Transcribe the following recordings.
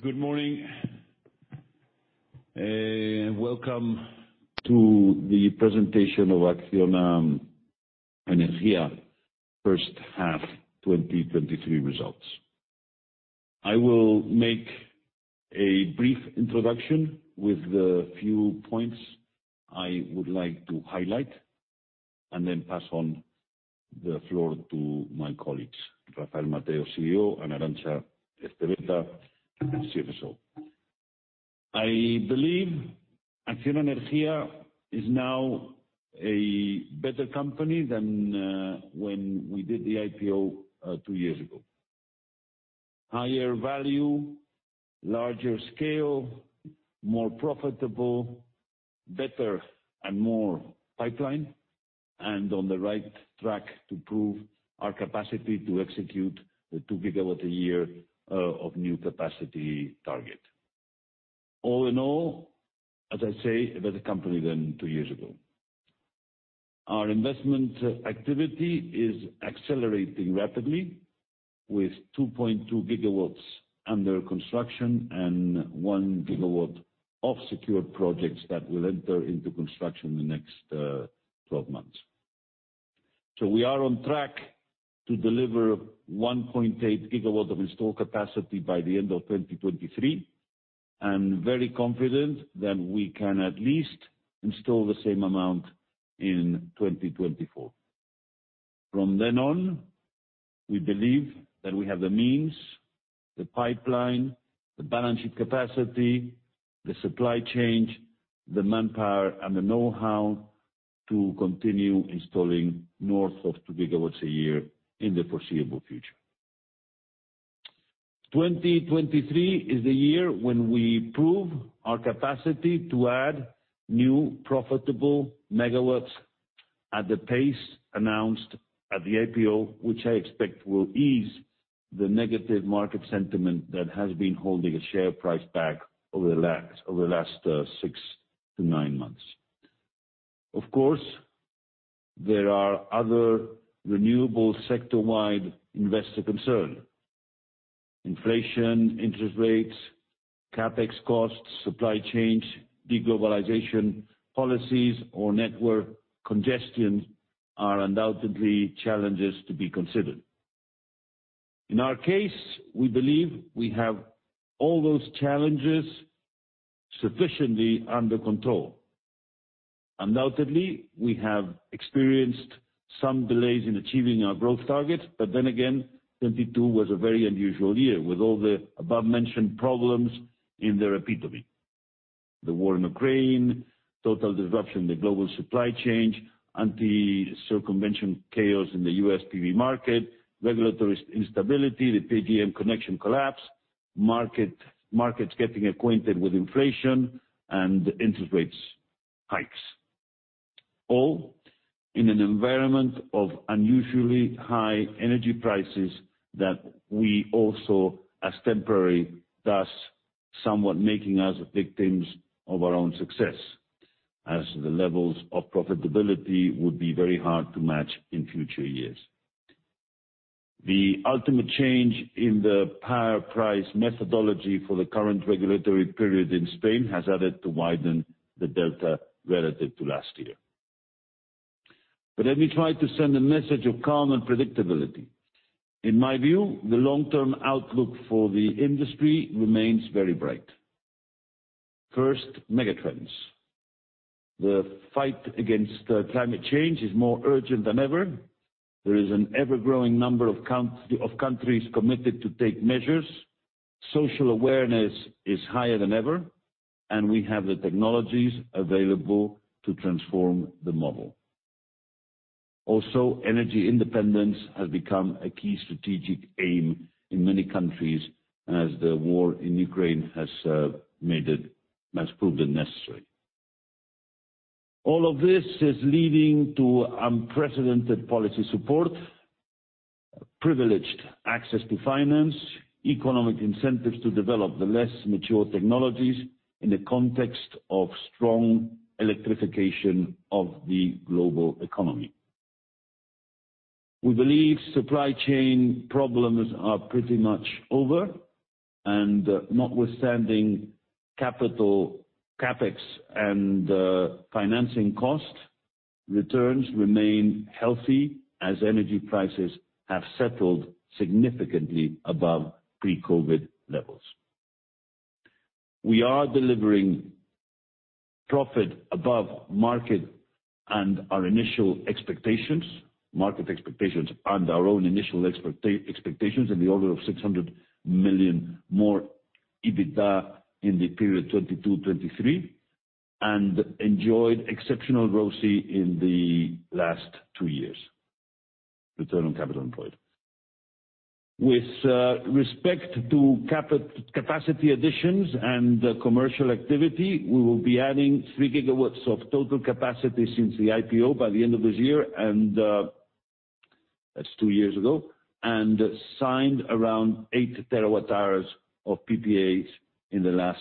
Good morning, and welcome to the presentation of Acciona Energía first half 2023 results. I will make a brief introduction with the few points I would like to highlight, then pass on the floor to my colleagues, Rafael Mateo, CEO, and Arantza Ezpeleta, CFO. I believe Acciona Energía is now a better company than when we did the IPO 2 years ago. Higher value, larger scale, more profitable, better and more pipeline, on the right track to prove our capacity to execute the 2 GW a year of new capacity target. All in all, as I say, a better company than 2 years ago. Our investment activity is accelerating rapidly with 2.2 GW under construction and 1 GW of secured projects that will enter into construction in the next 12 months. We are on track to deliver 1.8 GW of installed capacity by the end of 2023, and very confident that we can at least install the same amount in 2024. From then on, we believe that we have the means, the pipeline, the balance sheet capacity, the supply chain, the manpower, and the know-how to continue installing north of 2 GW a year in the foreseeable future. 2023 is the year when we prove our capacity to add new, profitable megawatts at the pace announced at the IPO, which I expect will ease the negative market sentiment that has been holding a share price back over the last, over the last, 6-9 months. Of course, there are other renewable sector-wide investor concerns. Inflation, interest rates, CapEx costs, supply chain, de-globalization, policies or network congestion are undoubtedly challenges to be considered. In our case, we believe we have all those challenges sufficiently under control. Undoubtedly, we have experienced some delays in achieving our growth targets, then again, 2022 was a very unusual year, with all the above-mentioned problems in their epitome. The war in Ukraine, total disruption in the global supply chain, anti-circumvention chaos in the US PV market, regulatory instability, the PJM connection collapse, markets getting acquainted with inflation and interest rates hikes. All in an environment of unusually high energy prices that we all saw as temporary, thus somewhat making us victims of our own success, as the levels of profitability would be very hard to match in future years. The ultimate change in the power price methodology for the current regulatory period in Spain has added to widen the delta relative to last year. Let me try to send a message of calm and predictability. In my view, the long-term outlook for the industry remains very bright. First, megatrends. The fight against climate change is more urgent than ever. There is an ever-growing number of countries committed to take measures. Social awareness is higher than ever, and we have the technologies available to transform the model. Energy independence has become a key strategic aim in many countries, as the war in Ukraine has made it, has proven necessary. All of this is leading to unprecedented policy support, privileged access to finance, economic incentives to develop the less mature technologies in the context of strong electrification of the global economy. We believe supply chain problems are pretty much over, notwithstanding capital CapEx and financing costs, returns remain healthy as energy prices have settled significantly above pre-COVID levels. We are delivering profit above market and our initial expectations, market expectations, and our own initial expectations in the order of 600 million more EBITDA in the period 2022, 2023, and enjoyed exceptional ROCE in the last two years, return on capital employed. With respect to capacity additions and commercial activity, we will be adding 3 GW of total capacity since the IPO by the end of this year, and that's two years ago, and signed around 8 terawatt-hours of PPAs in the last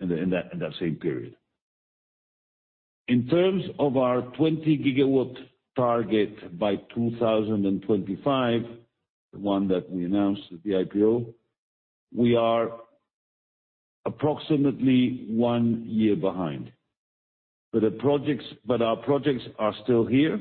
in that same period. In terms of our 20 GW target by 2025, the one that we announced at the IPO, we are approximately 1 year behind. The projects, but our projects are still here,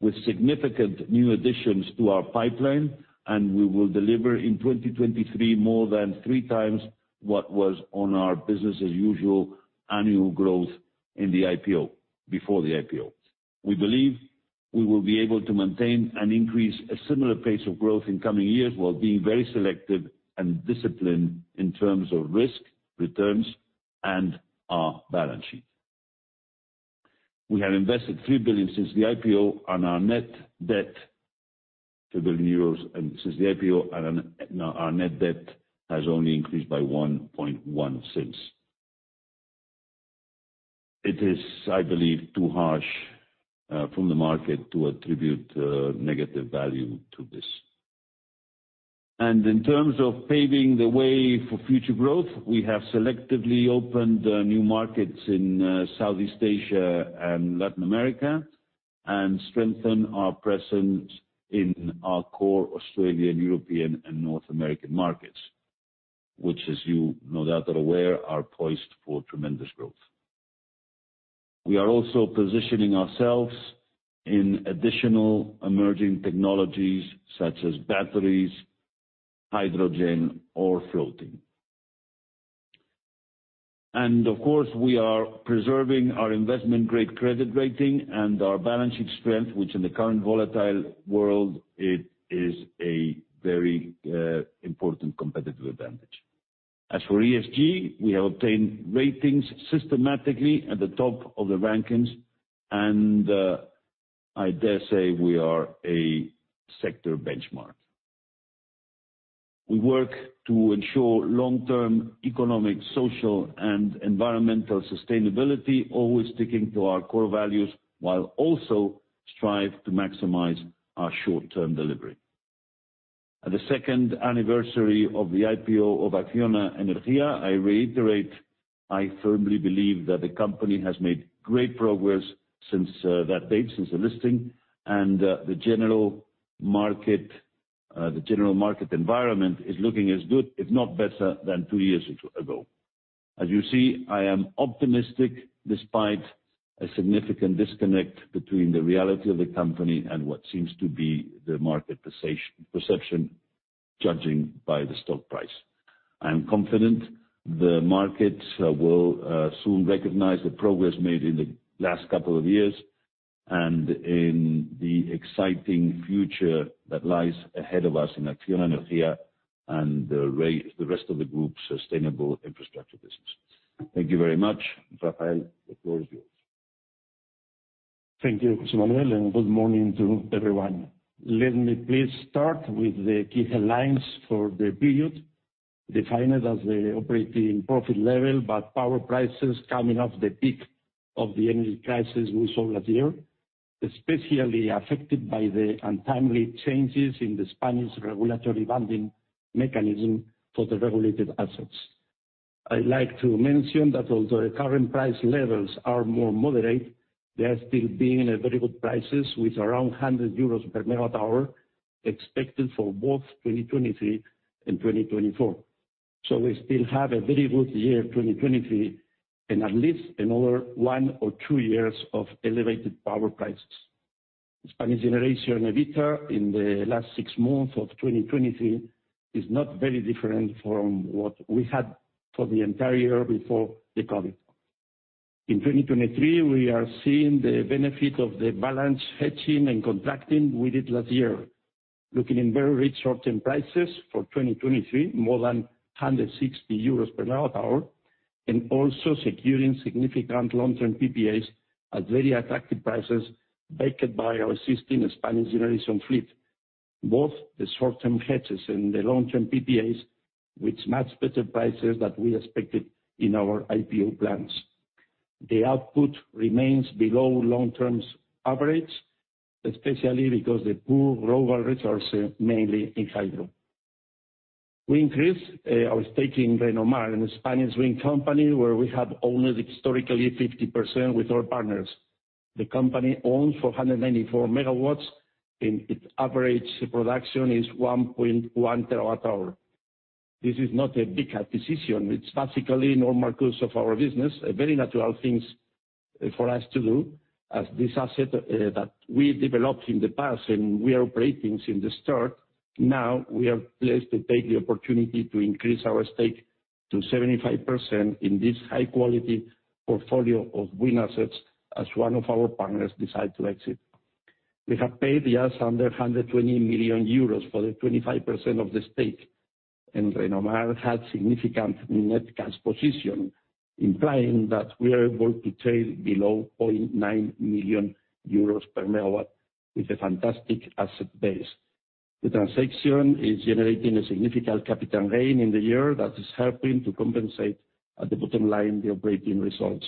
with significant new additions to our pipeline. We will deliver in 2023 more than 3 times what was on our business as usual annual growth in the IPO, before the IPO. We believe we will be able to maintain and increase a similar pace of growth in coming years, while being very selective and disciplined in terms of risk, returns, and our balance sheet. We have invested 3 billion since the IPO, and our net debt 3 billion euros. Since the IPO, and now our net debt has only increased by 1.1 since. It is, I believe, too harsh from the market to attribute negative value to this. In terms of paving the way for future growth, we have selectively opened new markets in Southeast Asia and Latin America, and strengthened our presence in our core Australian, European, and North American markets, which, as you no doubt are aware, are poised for tremendous growth. We are also positioning ourselves in additional emerging technologies such as batteries, hydrogen, or floating. Of course, we are preserving our investment-grade credit rating and our balance sheet strength, which in the current volatile world, it is a very important competitive advantage. As for ESG, we have obtained ratings systematically at the top of the rankings, and I dare say we are a sector benchmark. We work to ensure long-term economic, social, and environmental sustainability, always sticking to our core values, while also strive to maximize our short-term delivery. At the second anniversary of the IPO of Acciona Energía, I reiterate, I firmly believe that the company has made great progress since that date, since the listing, and the general market environment is looking as good, if not better, than two years ago. As you see, I am optimistic despite a significant disconnect between the reality of the company and what seems to be the market perception, judging by the stock price. I am confident the market will soon recognize the progress made in the last couple of years, and in the exciting future that lies ahead of us in Acciona Energía and the rest of the group's sustainable infrastructure business. Thank you very much. Rafael, the floor is yours. Thank you, José Manuel. Good morning to everyone. Let me please start with the key headlines for the period, defined as the operating profit level. Power prices coming off the peak of the energy crisis we saw last year, especially affected by the untimely changes in the Spanish regulatory banding mechanism for the regulated assets. I'd like to mention that although the current price levels are more moderate, they are still being at very good prices, with around 100 euros per megawatt-hour expected for both 2023 and 2024. We still have a very good year, 2023, and at least another one or two years of elevated power prices. Spanish generation EBITDA in the last 6 months of 2023 is not very different from what we had for the entire year before the COVID. In 2023, we are seeing the benefit of the balance hedging and contracting we did last year, looking in very rich short-term prices for 2023, more than 160 euros per megawatt-hour, and also securing significant long-term PPAs at very attractive prices, backed by our existing Spanish generation fleet. Both the short-term hedges and the long-term PPAs, with much better prices than we expected in our IPO plans. The output remains below long-term's average, especially because the poor global resources, mainly in hydro. We increased our stake in Renomar, in a Spanish wind company, where we have owned historically 50% with our partners. The company owns 494 megawatts, and its average production is 1.1 terawatt-hours. This is not a big acquisition. It's basically normal course of our business, a very natural things for us to do, as this asset that we developed in the past and we are operating since the start, now we are pleased to take the opportunity to increase our stake to 75% in this high-quality portfolio of wind assets as one of our partners decide to exit. We have paid just under 120 million euros for the 25% of the stake, and Renomar had significant net cash position, implying that we are able to trade below 0.9 million euros per megawatt, with a fantastic asset base. The transaction is generating a significant capital gain in the year that is helping to compensate at the bottom line, the operating results.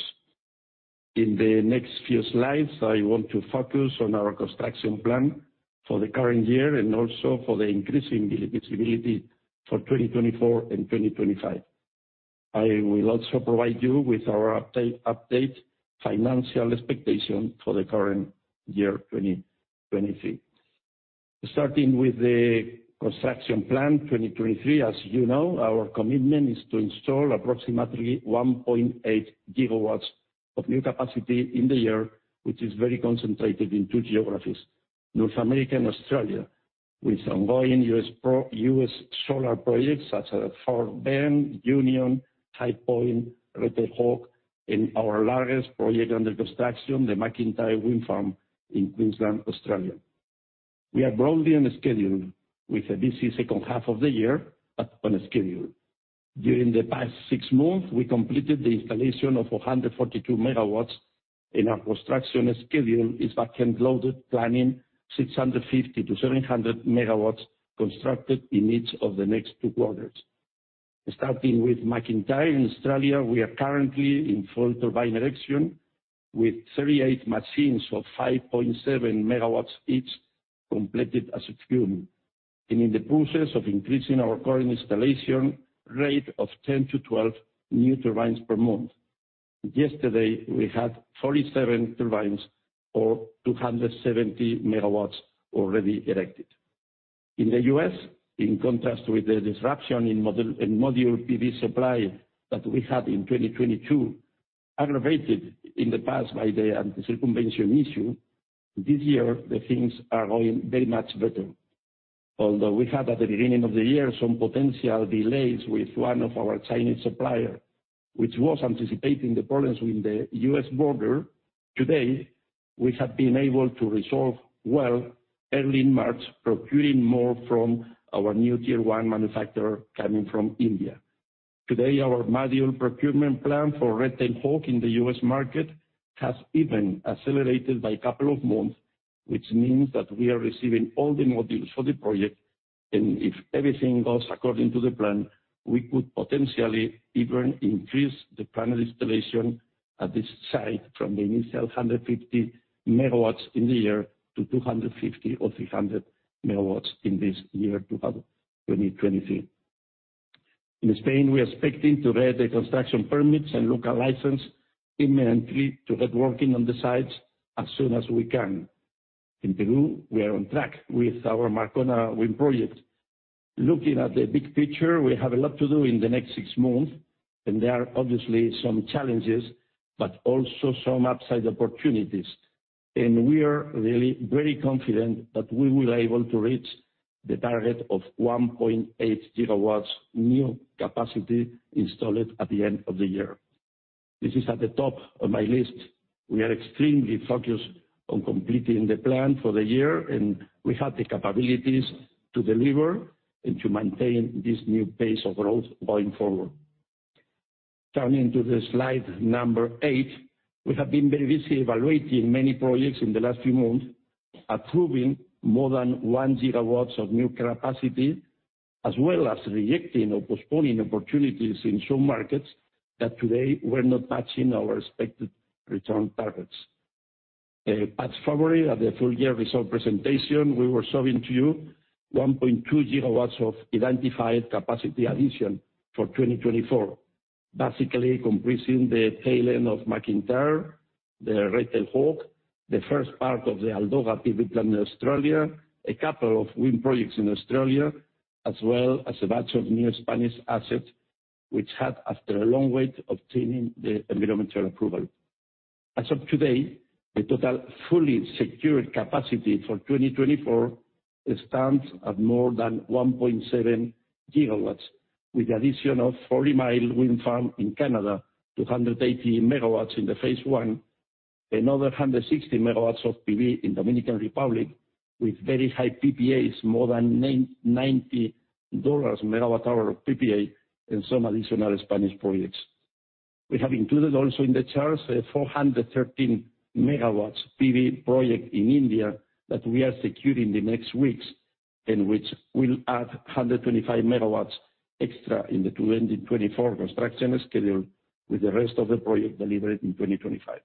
In the next few slides, I want to focus on our construction plan.... for the current year. Also for the increasing visibility for 2024 and 2025. I will also provide you with our update financial expectation for the current year, 2023. Starting with the construction plan, 2023, as you know, our commitment is to install approximately 1.8 GW of new capacity in the year, which is very concentrated in two geographies, North America and Australia, with ongoing US solar projects, such as Fort Bend, Union, High Point, Red Tail Hawk, and our largest project under construction, the MacIntyre Wind Farm in Queensland, Australia. We are broadly on schedule with the busy second half of the year. On schedule. During the past six months, we completed the installation of 442 megawatts. Our construction schedule is back-end loaded, planning 650-700 megawatts constructed in each of the next two quarters. Starting with MacIntyre in Australia, we are currently in full turbine erection, with 38 machines of 5.7 megawatts each completed as of June. In the process of increasing our current installation rate of 10-12 new turbines per month. Yesterday, we had 47 turbines, or 270 megawatts, already erected. In the U.S., in contrast with the disruption in module PV supply that we had in 2022, aggravated in the past by the anti-circumvention issue, this year, the things are going very much better. Although we had, at the beginning of the year, some potential delays with one of our Chinese supplier, which was anticipating the problems with the U.S. border, today, we have been able to resolve well, early in March, procuring more from our new Tier One manufacturer coming from India. Today, our module procurement plan for Red Tail Hawk in the U.S. market has even accelerated by a couple of months, which means that we are receiving all the modules for the project, and if everything goes according to the plan, we could potentially even increase the panel installation at this site from the initial 150 MW in the year to 250 or 300 MW in this year, 2023. In Spain, we are expecting to get the construction permits and local license imminently to get working on the sites as soon as we can. In Peru, we are on track with our Marcona wind project. Looking at the big picture, we have a lot to do in the next six months, and there are obviously some challenges, but also some upside opportunities, and we are really very confident that we will able to reach the target of 1.8 GW new capacity installed at the end of the year. This is at the top of my list. We are extremely focused on completing the plan for the year, and we have the capabilities to deliver and to maintain this new pace of growth going forward. Turning to the slide 8, we have been very busy evaluating many projects in the last few months, approving more than 1 GW of new capacity, as well as rejecting or postponing opportunities in some markets that today were not matching our expected return targets. Last February, at the full year result presentation, we were showing to you 1.2 GW of identified capacity addition for 2024, basically comprising the tail end of MacIntyre, the Red Tail Hawk, the first part of the Aldoga PV plant in Australia, a couple of wind projects in Australia, as well as a batch of new Spanish assets, which had, after a long wait, obtaining the environmental approval. As of today, the total fully secured capacity for 2024 stands at more than 1.7 GW, with addition of Forty Mile Wind Farm in Canada, 280 megawatts in the phase one, another 160 megawatts of PV in Dominican Republic, with very high PPAs, more than $90 megawatt hour of PPA, and some additional Spanish projects. We have included also in the charts, a 413 megawatts PV project in India that we are securing the next weeks, and which will add 125 megawatts extra in the 2024 construction schedule, with the rest of the project delivered in 2025.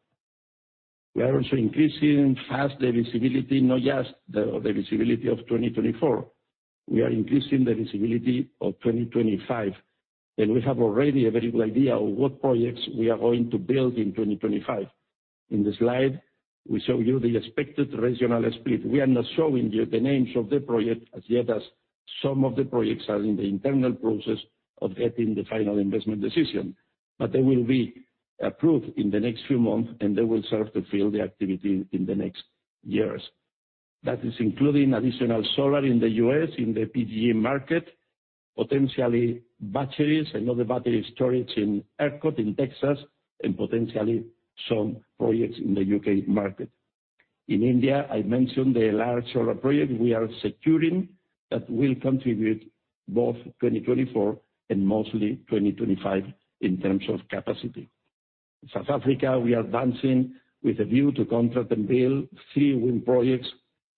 We are also increasing fast the visibility, not just the visibility of 2024, we are increasing the visibility of 2025, and we have already a very good idea of what projects we are going to build in 2025. In the slide, we show you the expected regional split. We are not showing you the names of the project, as yet, as some of the projects are in the internal process of getting the final investment decision, but they will be approved in the next few months, and they will serve to fill the activity in the next years. That is including additional solar in the U.S., in the PJM market, potentially batteries and other battery storage in ERCOT, in Texas, and potentially some projects in the U.K. market. In India, I mentioned the large solar project we are securing that will contribute both 2024 and mostly 2025 in terms of capacity. South Africa, we are advancing with a view to contract and build 3 wind projects,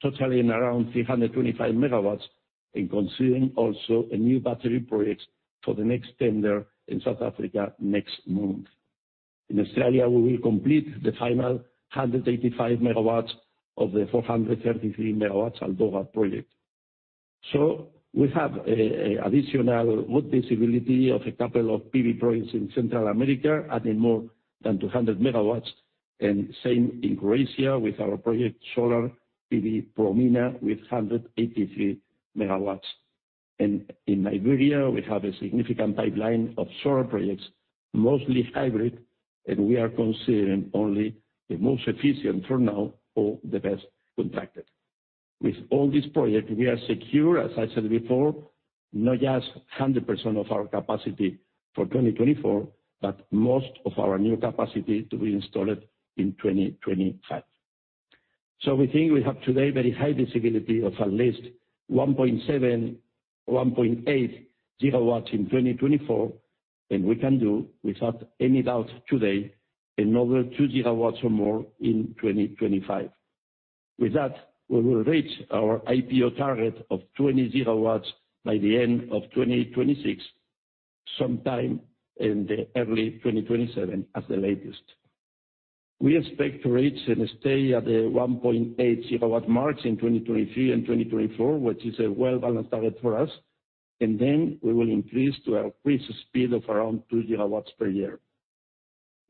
totaling around 325 megawatts, and considering also a new battery projects for the next tender in South Africa next month. In Australia, we will complete the final 185 megawatts of the 433 megawatts Aldoga project. We have a additional good visibility of a couple of PV projects in Central America, adding more than 200 megawatts, and same in Croatia with our project, Solar PV Promina, with 183 megawatts. In Nigeria, we have a significant pipeline of solar projects, mostly hybrid, and we are considering only the most efficient for now or the best contracted. With all these projects, we are secure, as I said before, not just 100% of our capacity for 2024, but most of our new capacity to be installed in 2025. We think we have today very high visibility of at least 1.7, 1.8 GW in 2024, and we can do, without any doubt today, another 2 GW or more in 2025. With that, we will reach our IPO target of 20 GW by the end of 2026, sometime in the early 2027 at the latest. We expect to reach and stay at the 1.8 GW marks in 2023 and 2024, which is a well-balanced target for us, and then we will increase to a increased speed of around 2 GW per year.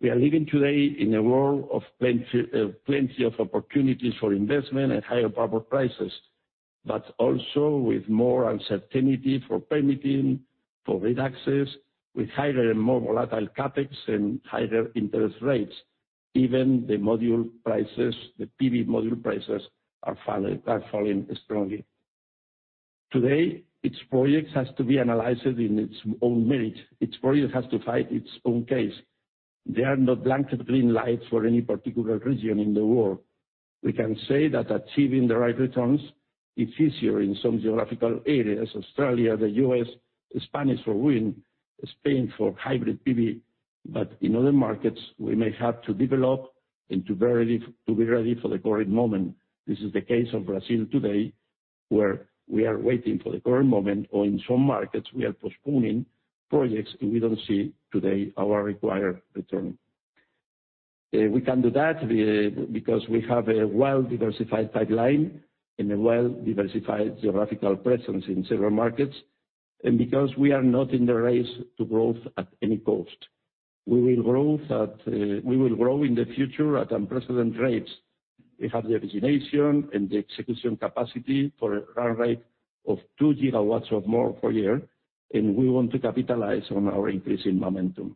We are living today in a world of plenty, plenty of opportunities for investment and higher power prices, but also with more uncertainty for permitting, for grid access, with higher and more volatile CapEx and higher interest rates. Even the module prices, the PV module prices, are falling, are falling strongly. Today, each project has to be analyzed in its own merit. Each project has to fight its own case. There are no blanket green lights for any particular region in the world. We can say that achieving the right returns is easier in some geographical areas, Australia, the US, Spanish for wind, Spain for hybrid PV. In other markets, we may have to develop and to be ready, to be ready for the current moment. This is the case of Brazil today, where we are waiting for the current moment, or in some markets, we are postponing projects if we don't see today our required return. We can do that because we have a well-diversified pipeline and a well-diversified geographical presence in several markets, and because we are not in the race to growth at any cost. We will grow in the future at unprecedented rates. We have the origination and the execution capacity for a run rate of 2 GW or more per year, and we want to capitalize on our increasing momentum.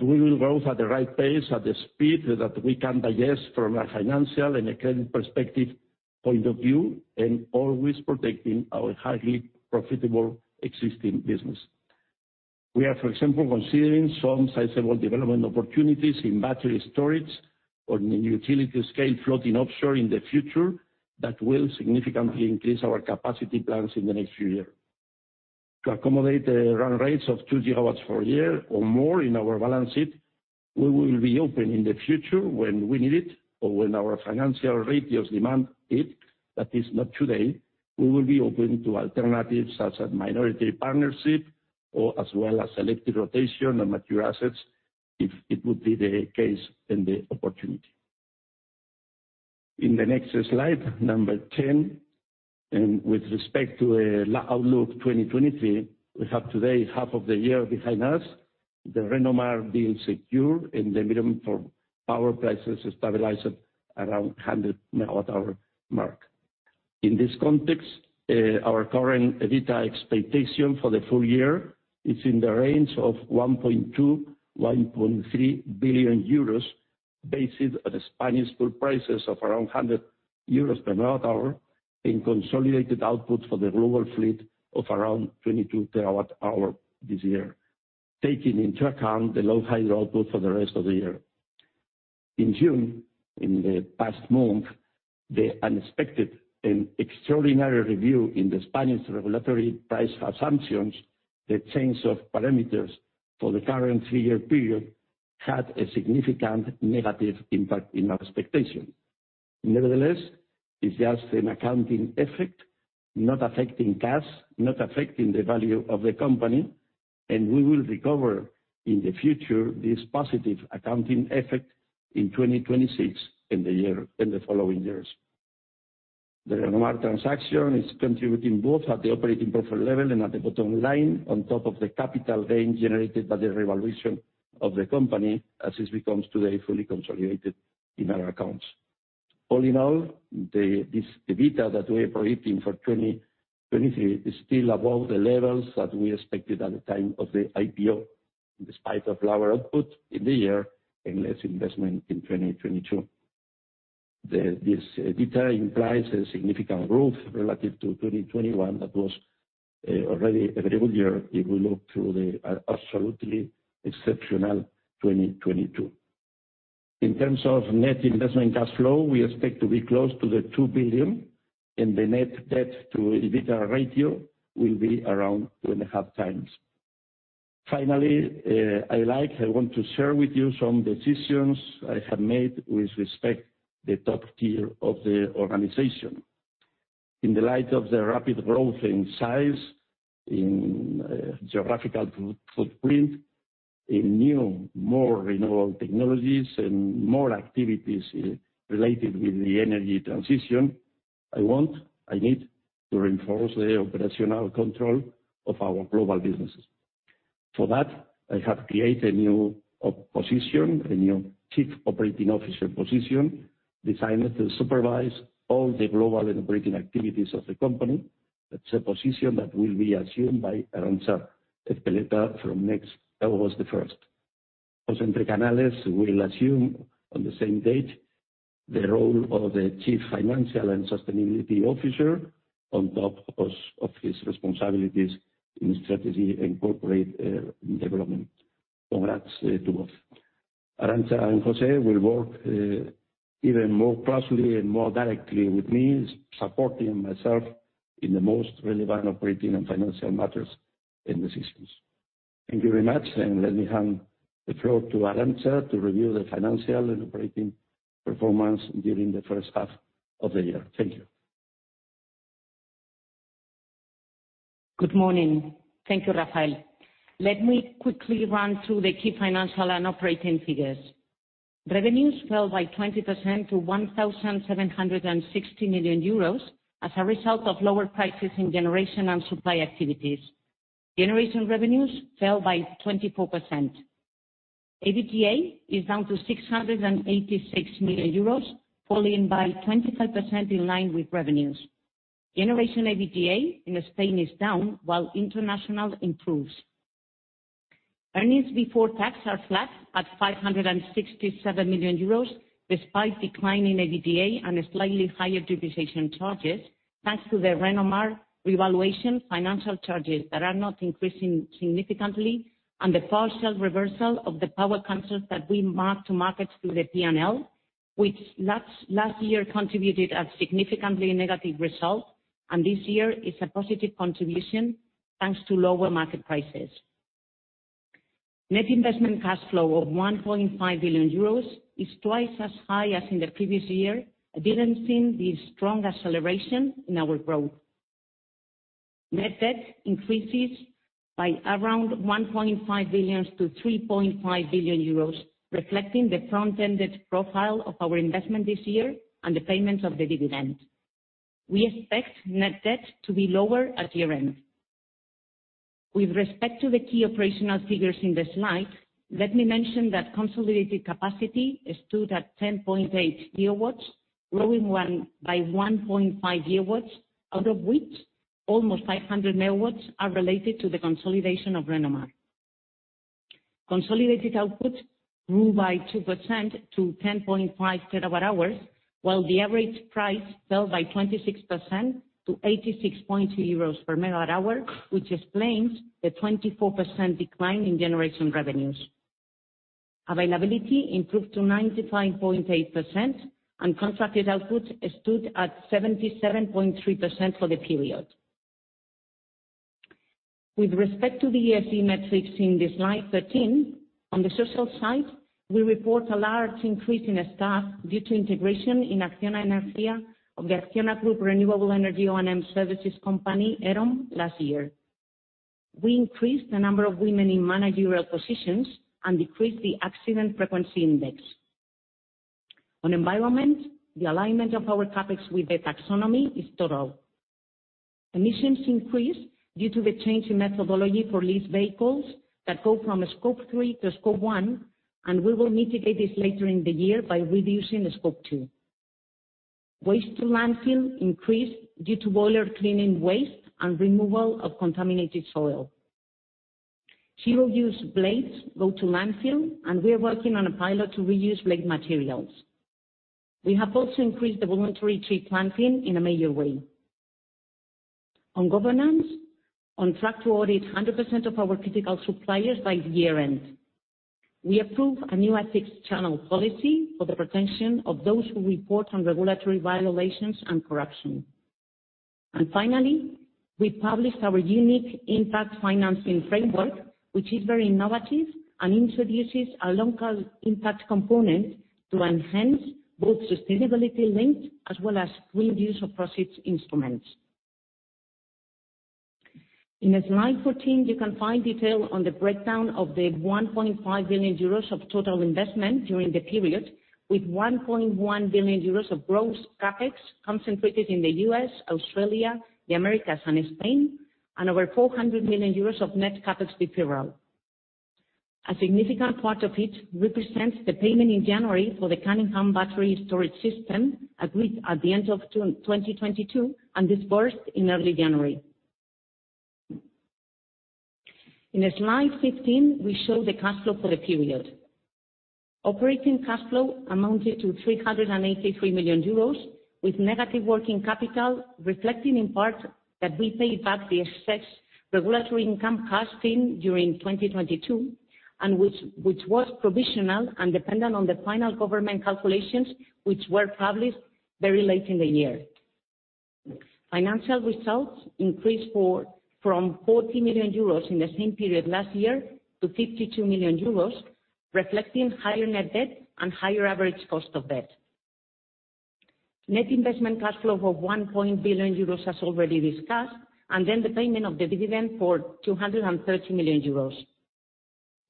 We will grow at the right pace, at the speed that we can digest from a financial and a credit perspective point of view, and always protecting our highly profitable existing business. We are, for example, considering some sizable development opportunities in battery storage or in utility-scale floating offshore in the future that will significantly increase our capacity plans in the next few years. To accommodate the run rates of 2 GW per year or more in our balance sheet, we will be open in the future when we need it or when our financial ratios demand it. That is not today. We will be open to alternatives such as minority partnership or as well as selected rotation on mature assets, if it would be the case and the opportunity. In the next slide, number 10, With respect to outlook 2023, we have today half of the year behind us, the Renomar deal secure and the minimum for power prices stabilized around 100 per megawatt-hour mark. In this context, our current EBITDA expectation for the full year is in the range of 1.2 billion-1.3 billion euros, based at the Spanish pool prices of around 100 euros per megawatt-hour, and consolidated output for the global fleet of around 22 terawatt-hours this year, taking into account the low hydro output for the rest of the year. In June, in the past month, the unexpected and extraordinary review in the Spanish regulatory price assumptions, the change of parameters for the current three-year period, had a significant negative impact in our expectation. Nevertheless, it's just an accounting effect, not affecting cash, not affecting the value of the company, and we will recover in the future this positive accounting effect in 2026, in the year, in the following years. The Renomar transaction is contributing both at the operating profit level and at the bottom line, on top of the capital gain generated by the revaluation of the company, as this becomes today fully consolidated in our accounts. All in all, the EBITDA that we are projecting for 2023 is still above the levels that we expected at the time of the IPO, despite of lower output in the year and less investment in 2022. This EBITDA implies a significant growth relative to 2021. That was already a great year if we look through the absolutely exceptional 2022. In terms of net investment cash flow, we expect to be close to 2 billion, and the net debt to EBITDA ratio will be around 2.5x. Finally, I like, I want to share with you some decisions I have made with respect the top tier of the organization. In the light of the rapid growth in size, in geographical footprint, in new, more renewable technologies, and more activities related with the energy transition, I want, I need to reinforce the operational control of our global businesses. For that, I have created a new position, a new Chief Operating Officer position, designed to supervise all the global and operating activities of the company. That's a position that will be assumed by Arantza Ezpeleta from next August the 1st. José Antonio Canalès will assume, on the same date, the role of the Chief Financial and Sustainability Officer, on top of his responsibilities in strategy and corporate development. Congrats to both. Arantza and José will work, even more closely and more directly with me, supporting myself in the most relevant operating and financial matters and decisions. Thank you very much. Let me hand the floor to Arantza to review the financial and operating performance during the first half of the year. Thank you. Good morning. Thank you, Rafael. Let me quickly run through the key financial and operating figures. Revenues fell by 20% to 1,760 million euros as a result of lower prices in generation and supply activities. Generation revenues fell by 24%. EBTA is down to 686 million euros, falling by 25% in line with revenues. Generation EBTA in Spain is down while international improves. Earnings before tax are flat at 567 million euros, despite declining EBTA and slightly higher depreciation charges, thanks to the Renomar revaluation financial charges that are not increasing significantly, and the partial reversal of the power concepts that we mark to market through the PNL, which last year contributed a significantly negative result, and this year is a positive contribution, thanks to lower market prices. Net investment cash flow of 1.5 billion euros is twice as high as in the previous year, advancing the strong acceleration in our growth. Net debt increases by around 1.5 billion to 3.5 billion euros, reflecting the front-ended profile of our investment this year and the payments of the dividend. We expect net debt to be lower at year-end. With respect to the key operational figures in the slide, let me mention that consolidated capacity is stood at 10.8 GW, growing by 1.5 GW, out of which almost 500 megawatts are related to the consolidation of Renomar. Consolidated output grew by 2% to 10.5 terawatt-hours, while the average price fell by 26% to 86.2 euros per megawatt-hour, which explains the 24% decline in generation revenues. Availability improved to 95.8%. Contracted output stood at 77.3% for the period. With respect to the ESG metrics in the slide 13, on the social side, we report a large increase in staff due to integration in Acciona Energia of the Acciona Group Renewable Energy O&M services company, ERM, last year. We increased the number of women in managerial positions and decreased the accident frequency index. On environment, the alignment of our topics with the taxonomy is total. Emissions increased due to the change in methodology for leased vehicles that go from scope 3 to scope 1. We will mitigate this later in the year by reducing scope 2. Waste to landfill increased due to boiler cleaning waste and removal of contaminated soil. Zero-use blades go to landfill. We are working on a pilot to reuse blade materials. We have also increased the voluntary tree planting in a major way. On governance, on track to audit 100% of our critical suppliers by year-end. We approved a new ethics channel policy for the protection of those who report on regulatory violations and corruption. Finally, we published our unique impact financing framework, which is very innovative and introduces a local impact component to enhance both sustainability links as well as reduce of proceeds instruments. In slide 14, you can find detail on the breakdown of the 1.5 billion euros of total investment during the period, with 1.1 billion euros of gross CapEx concentrated in the US, Australia, the Americas, and Spain, and over 400 million euros of net CapEx deferral. A significant part of it represents the payment in January for the Cunningham Battery Energy Storage System, agreed at the end of June 2022 and disbursed in early January. In slide 15, we show the cash flow for the period. Operating cash flow amounted to 383 million euros, with negative working capital, reflecting in part that we paid back the excess regulatory income cashed in during 2022, and which was provisional and dependent on the final government calculations, which were published very late in the year. Financial results increased from 40 million euros in the same period last year to 52 million euros, reflecting higher net debt and higher average cost of debt. Net investment cash flow of 1 billion euros, as already discussed, then the payment of the dividend for 230 million euros.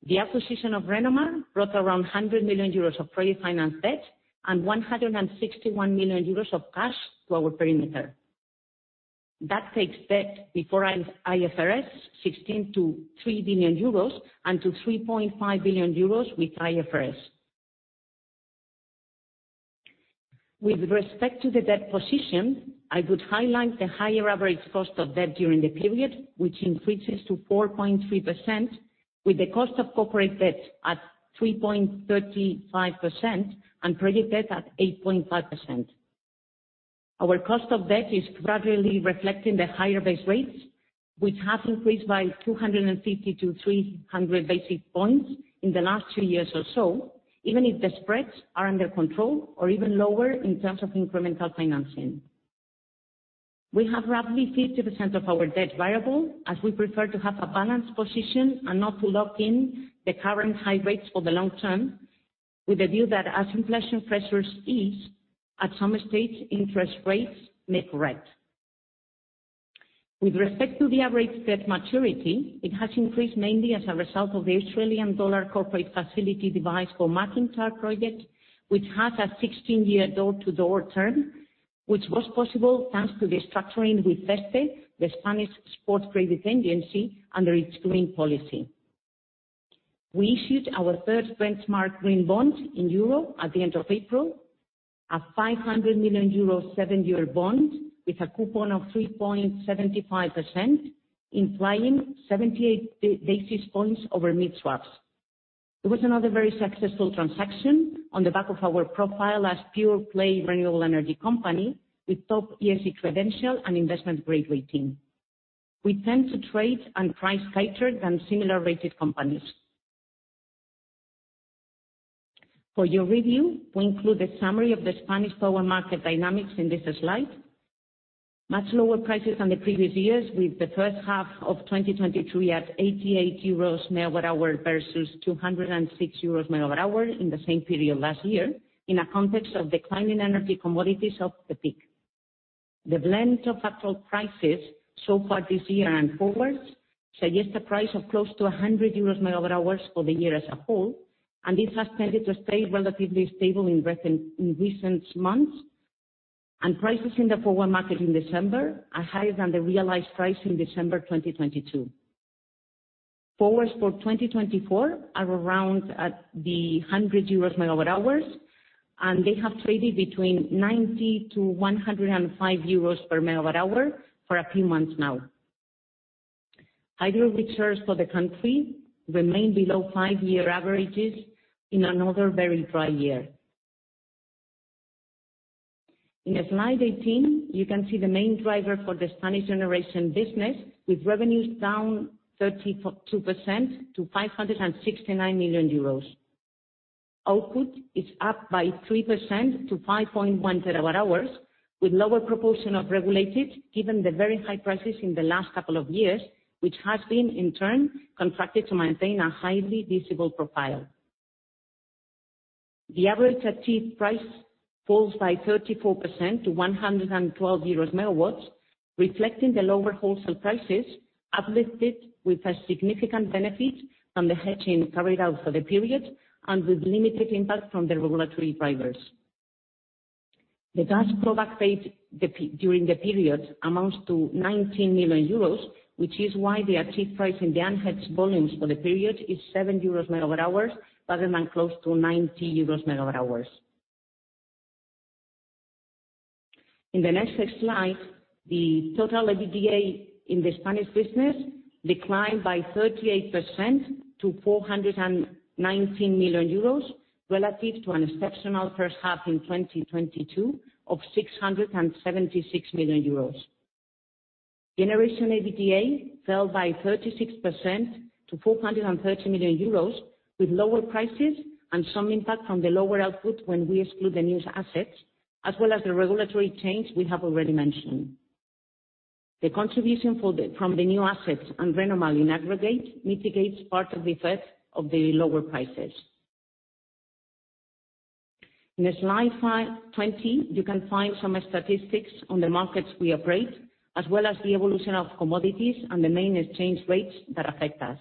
The acquisition of Renomar brought around 100 million euros of pre-financed debt and 161 million euros of cash to our perimeter. That takes debt before IFRS 16 to 3 billion euros, and to 3.5 billion euros with IFRS. With respect to the debt position, I would highlight the higher average cost of debt during the period, which increases to 4.3%, with the cost of corporate debt at 3.35% and credit debt at 8.5%. Our cost of debt is gradually reflecting the higher base rates, which have increased by 250-300 basic points in the last two years or so, even if the spreads are under control or even lower in terms of incremental financing. We have roughly 50% of our debt variable, as we prefer to have a balanced position and not to lock in the current high rates for the long term, with the view that as inflation pressures ease, at some stage, interest rates may correct. With respect to the average debt maturity, it has increased mainly as a result of the Australian dollar corporate facility device for MacIntyre project, which has a 16-year door-to-door term, which was possible thanks to the structuring with Cesce, the Spanish export credit agency, under its green policy. We issued our third benchmark green bond in euro at the end of April, a 500 million euro, 7-year bond with a coupon of 3.75%, implying 78 basis points over mid-swaps. It was another very successful transaction on the back of our profile as pure-play renewable energy company with top ESG credential and investment-grade rating. We tend to trade and price tighter than similar rated companies. For your review, we include a summary of the Spanish power market dynamics in this slide. Much lower prices than the previous years, with the first half of 2023 at 88 euros megawatt-hour versus 206 euros megawatt-hour in the same period last year, in a context of declining energy commodities off the peak. The blend of actual prices so far this year and forward suggests a price of close to 100 euros megawatt-hours for the year as a whole, and this has tended to stay relatively stable in recent months. Prices in the forward market in December are higher than the realized price in December 2022. Forwards for 2024 are around 100 euros per megawatt hour, and they have traded between 90-105 euros per megawatt hour for a few months now. Hydro reserves for the country remain below five-year averages in another very dry year. In slide 18, you can see the main driver for the Spanish generation business, with revenues down 32% to 569 million euros. Output is up by 3% to 5.1 terawatt-hours, with lower proportion of regulated, given the very high prices in the last couple of years, which has been in turn contracted to maintain a highly visible profile. The average achieved price falls by 34% to 112 euros per megawatt-hour, reflecting the lower wholesale prices, uplifted with a significant benefit from the hedging carried out for the period, and with limited impact from the regulatory drivers. The gas product paid during the period amounts to 19 million euros, which is why the achieved price in the unhedged volumes for the period is 7 euros per megawatt-hour, rather than close to EUR 90 per megawatt-hour. In the next slide, the total EBITDA in the Spanish business declined by 38% to 419 million euros, relative to an exceptional first half in 2022 of 676 million euros. Generation EBITDA fell by 36% to 430 million euros, with lower prices and some impact from the lower output when we exclude the newest assets, as well as the regulatory change we have already mentioned. The contribution from the new assets and Renomar in aggregate mitigates part of the effect of the lower prices. In slide 20, you can find some statistics on the markets we operate, as well as the evolution of commodities and the main exchange rates that affect us.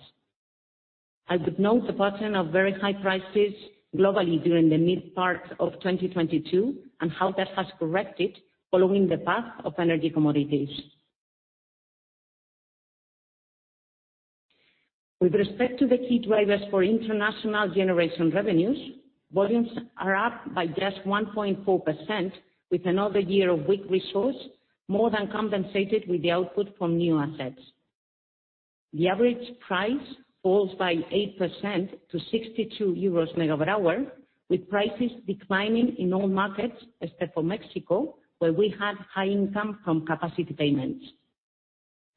I would note the pattern of very high prices globally during the mid part of 2022, and how that has corrected following the path of energy commodities. With respect to the key drivers for international generation revenues, volumes are up by just 1.4%, with another year of weak resource, more than compensated with the output from new assets. The average price falls by 8% to 62 euros per megawatt-hour, with prices declining in all markets except for Mexico, where we had high income from capacity payments.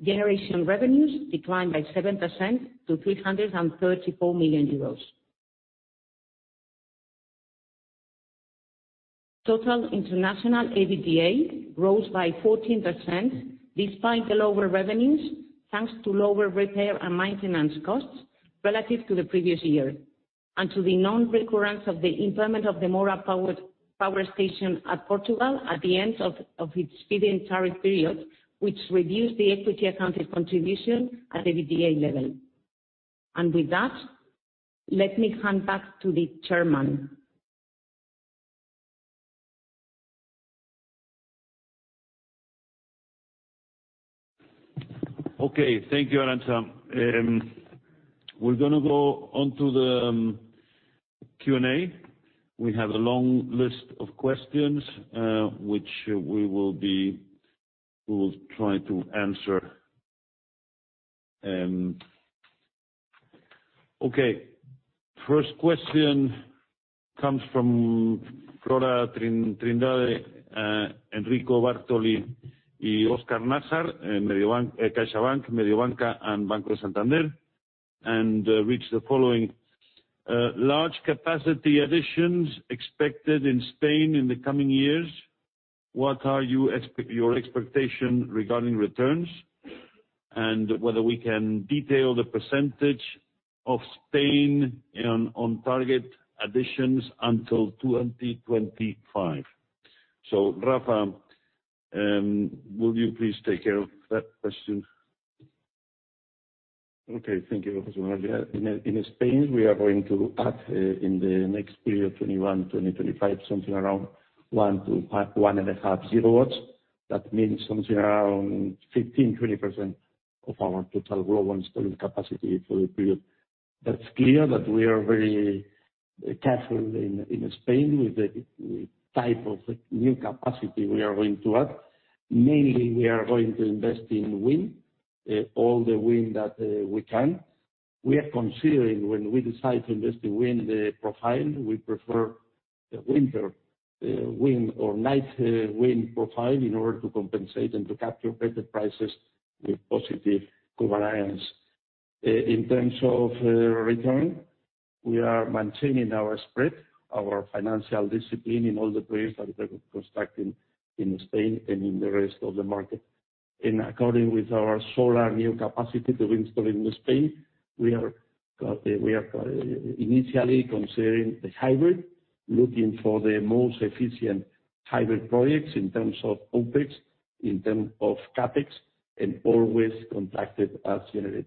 Generation revenues declined by 7% to 334 million euros. Total international EBDA rose by 14%, despite the lower revenues, thanks to lower repair and maintenance costs relative to the previous year, and to the non-recurrence of the implement of the Moura Power, Power Station at Portugal at the end of its feeding tariff period, which reduced the equity accounted contribution at the EBDA level. With that, let me hand back to the Chairman. Okay, thank you, Arantza. We're gonna go on to the Q&A. We have a long list of questions, which we will try to answer. Okay, first question comes from Flora Trindade, Enrico Bartoli, Oscar Najar, and Mediobanca, CaixaBank, Mediobanca and Santander, and reads the following: Large capacity additions expected in Spain in the coming years, what are your expectation regarding returns? Whether we can detail the percentage of Spain on, on target additions until 2025. Rafa, will you please take care of that question? Okay, thank you, José Manuel. In Spain, we are going to add, in the next period, 2021-2025, something around 1 to 1.5 GW. That means something around 15%-20% of our total global installing capacity for the period. That's clear that we are very careful in Spain with the type of new capacity we are going to add. Mainly, we are going to invest in wind, all the wind that we can. We are considering when we decide to invest in wind, the profile, we prefer the winter wind or night wind profile in order to compensate and to capture better prices with positive covariance. In terms of return, we are maintaining our spread, our financial discipline in all the places that we are constructing in Spain and in the rest of the market. In according with our solar new capacity to install in Spain, we are initially considering the hybrid, looking for the most efficient hybrid projects in terms of OpEx, in terms of CapEx, and always contracted as generated.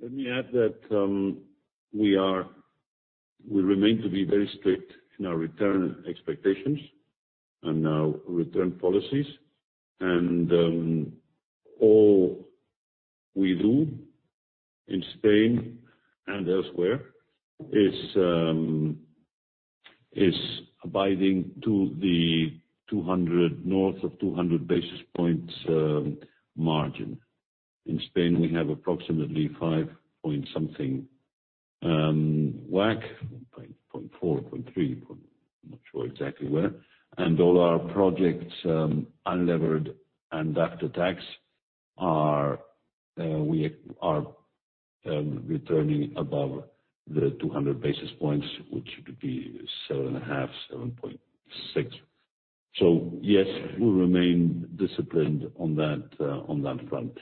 Let me add that, we are-- we remain to be very strict in our return expectations and our return policies. All we do in Spain and elsewhere is, is abiding to the 200, north of 200 basis points, margin. In Spain, we have approximately 5 point something, WACC, 0.4, 0.3, I'm not sure exactly where. All our projects, unlevered and after tax, are, we are, returning above the 200 basis points, which would be 7.5, 7.6. Yes, we remain disciplined on that, on that front.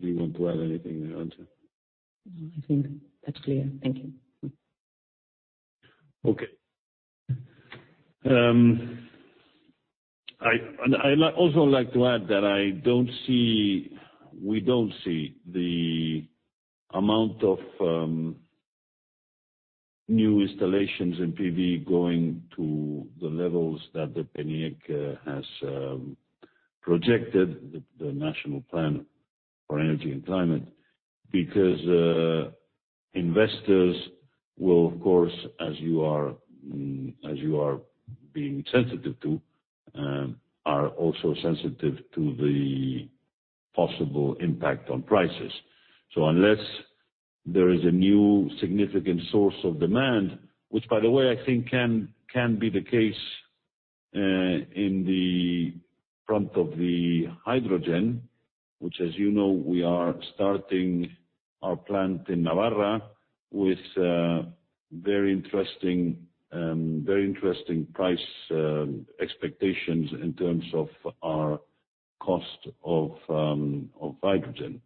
Do you want to add anything, Arantza? No, I think that's clear. Thank you. Okay. I, and I'd also like to add that I don't see -- we don't see the amount of new installations in PV going to the levels that the PNIEC has projected, the National Plan for Energy and Climate. Because investors will, of course, as you are, as you are being sensitive to, are also sensitive to the possible impact on prices. So unless there is a new significant source of demand, which, by the way, I think can, can be the case, in the front of the hydrogen, which, as you know, we are starting our plant in Navarra with very interesting, very interesting price expectations in terms of our cost of hydrogen.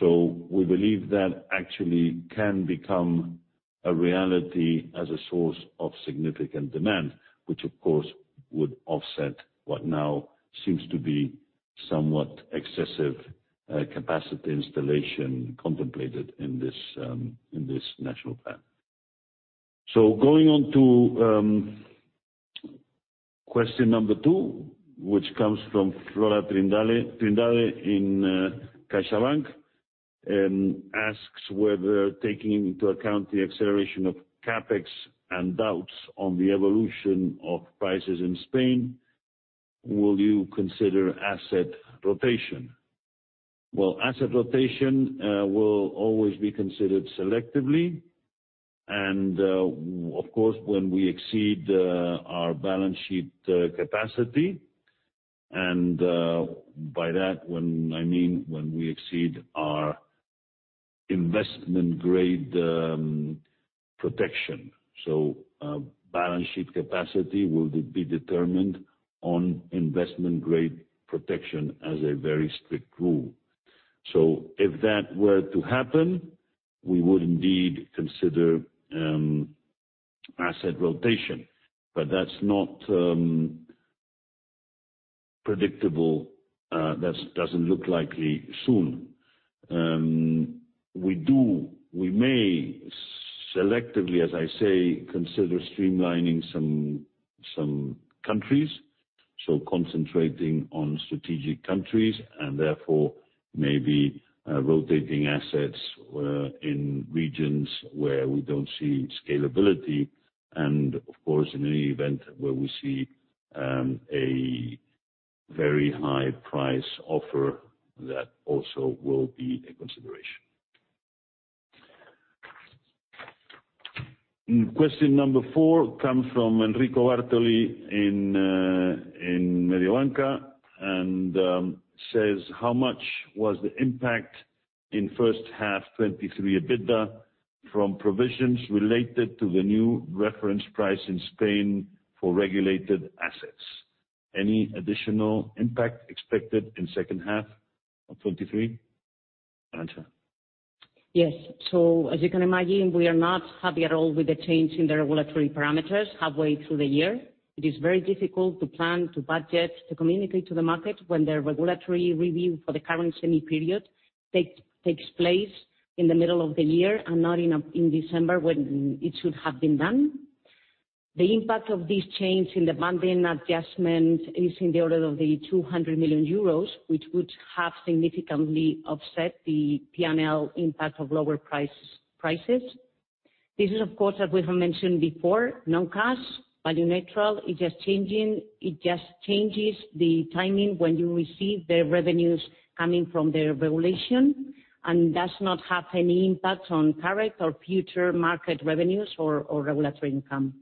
We believe that actually can become a reality as a source of significant demand, which of course, would offset what now seems to be somewhat excessive capacity installation contemplated in this national plan. Going on to question number 2, which comes from Filipe Trindade, Trindade in CaixaBank, asks whether taking into account the acceleration of CapEx and doubts on the evolution of prices in Spain, will you consider asset rotation? Well, asset rotation will always be considered selectively, and of course, when we exceed our balance sheet capacity, and by that, when, I mean, when we exceed our investment grade protection. Balance sheet capacity will be determined on investment grade protection as a very strict rule. If that were to happen, we would indeed consider asset rotation, but that's not predictable, that's doesn't look likely soon. We do-- we may selectively, as I say, consider streamlining some, some countries, so concentrating on strategic countries and therefore maybe rotating assets in regions where we don't see scalability. Of course, in any event, where we see a very high price offer, that also will be a consideration. Question number four come from Enrico Bartoli in Mediobanca, says: How much was the impact in first half 2023 EBITDA from provisions related to the new reference price in Spain for regulated assets? Any additional impact expected in second half of 2023? Arantza. Yes. As you can imagine, we are not happy at all with the change in the regulatory parameters halfway through the year. It is very difficult to plan, to budget, to communicate to the market when the regulatory review for the current semi-period takes place in the middle of the year and not in December, when it should have been done. The impact of this change in the banding adjustment is in the order of 200 million euros, which would have significantly offset the P&L impact of lower prices. This is, of course, as we have mentioned before, non-cash, value neutral. It just changes the timing when you receive the revenues coming from the regulation, and does not have any impact on current or future market revenues or regulatory income.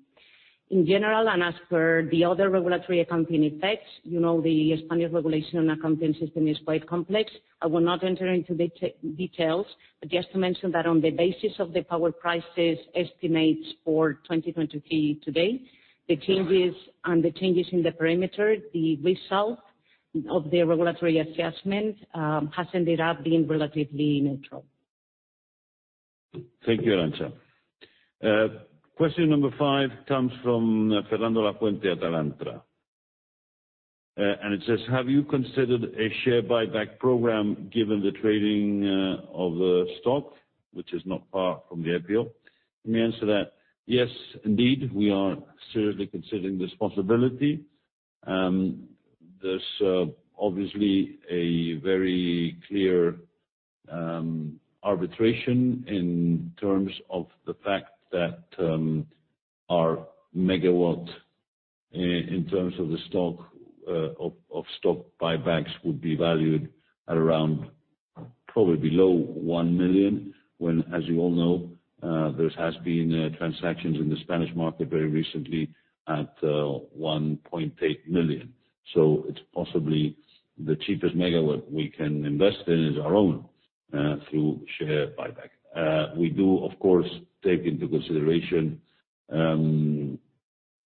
In general, and as per the other regulatory accounting effects, you know, the Spanish regulation and accounting system is quite complex. I will not enter into the details, but just to mention that on the basis of the power prices estimates for 2023 to date, the changes and the changes in the parameter, the result of the regulatory adjustment has ended up being relatively neutral. Thank you, Arantza. Question number 5 comes from Fernando Lafuente at Alantra. It says: Have you considered a share buyback program, given the trading of the stock, which is not far from the IPO? Let me answer that. Yes, indeed, we are seriously considering this possibility. There's obviously a very clear arbitration in terms of the fact that our megawatt in terms of the stock of stock buybacks, would be valued at around probably below 1 million, when, as you all know, there has been transactions in the Spanish market very recently at 1.8 million. It's possibly the cheapest megawatt we can invest in is our own through share buyback. We do, of course, take into consideration,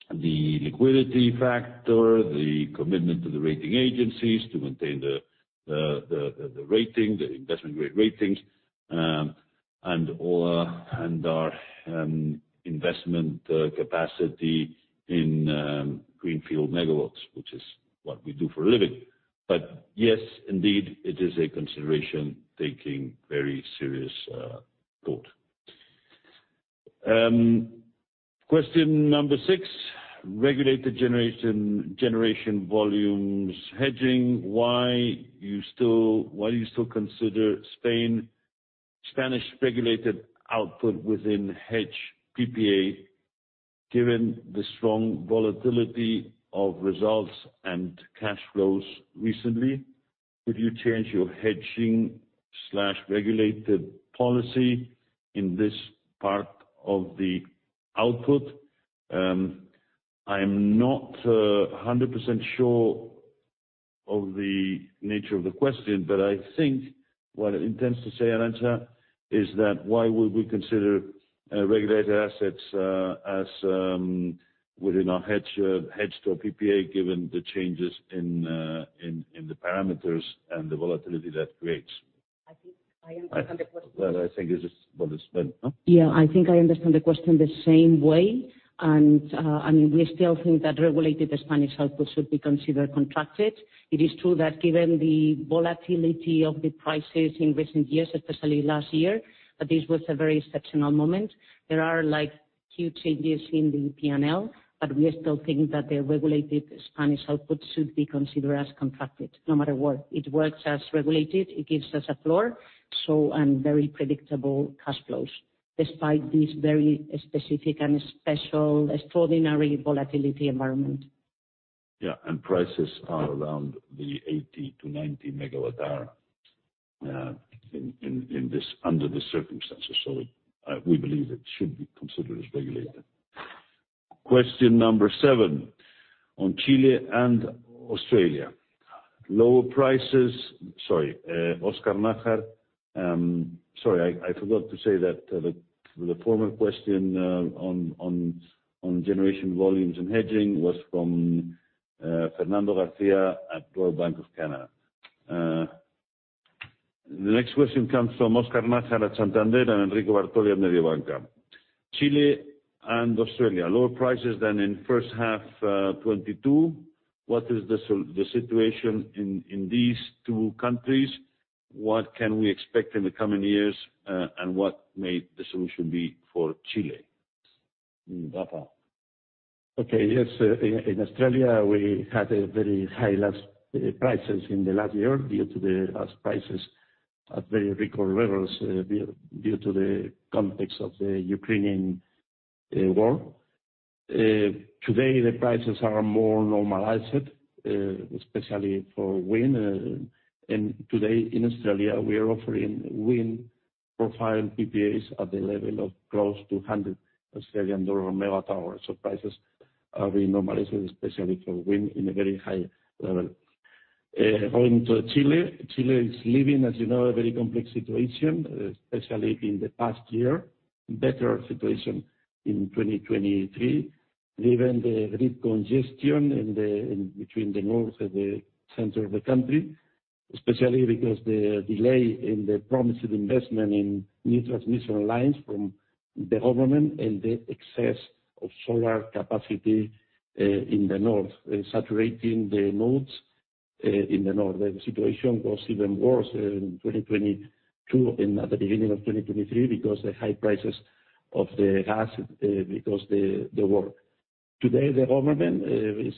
the liquidity factor, the commitment to the rating agencies to maintain the, the, the, the rating, the investment-grade ratings, and/or, and our investment capacity in greenfield megawatts, which is what we do for a living. Yes, indeed, it is a consideration taking very serious thought. Question number six: Regulated generation, generation volumes hedging, why you still-- why do you still consider Spanish regulated output within hedge PPA, given the strong volatility of results and cash flows recently? Would you change your hedging slash regulated policy in this part of the output? I'm not 100% sure of the nature of the question, but I think what it intends to say, Arantza, is that why would we consider regulated assets as within our hedge hedge to our PPA, given the changes in in in the parameters and the volatility that creates? I think I understand the question. Well, I think this is what is well, huh? Yeah, I think I understand the question the same way, and, and we still think that regulated Spanish output should be considered contracted. It is true that given the volatility of the prices in recent years, especially last year, but this was a very exceptional moment. There are like huge changes in the P&L, but we still think that the regulated Spanish output should be considered as contracted, no matter what. It works as regulated, it gives us a floor, so and very predictable cash flows, despite this very specific and special, extraordinary volatility environment. Yeah, prices are around 80-90 per megawatt hour in, in, in this, under these circumstances, so, we believe it should be considered as regulated. Question number 7, on Chile and Australia. Lower prices- sorry, Oscar Najar, sorry, I, I forgot to say that the, the former question on, on, on generation volumes and hedging was from Fernando Garcia at Royal Bank of Canada. The next question comes from Oscar Najar at Santander, and Enrico Bartoletti at Mediobanca. Chile and Australia, lower prices than in first half 2022. What is the situation in these two countries? What can we expect in the coming years, and what may the solution be for Chile? Rafa. Okay, yes, in Australia, we had a very high last prices in the last year due to the gas prices at very record levels, due to the context of the Ukrainian war. Today, the prices are more normalized, especially for wind. Today, in Australia, we are offering wind profile PPAs at the level of close to 100 Australian dollar megawatt-hour. Prices are being normalized, especially for wind, in a very high level. Going to Chile, Chile is living, as you know, a very complex situation, especially in the past year. Better situation in 2023, given the grid congestion in between the north and the center of the country, especially because the delay in the promised investment in new transmission lines from the government and the excess of solar capacity in the north, saturating the loads in the north. The situation was even worse in 2022, at the beginning of 2023, because the high prices of the gas, because the war. Today, the government is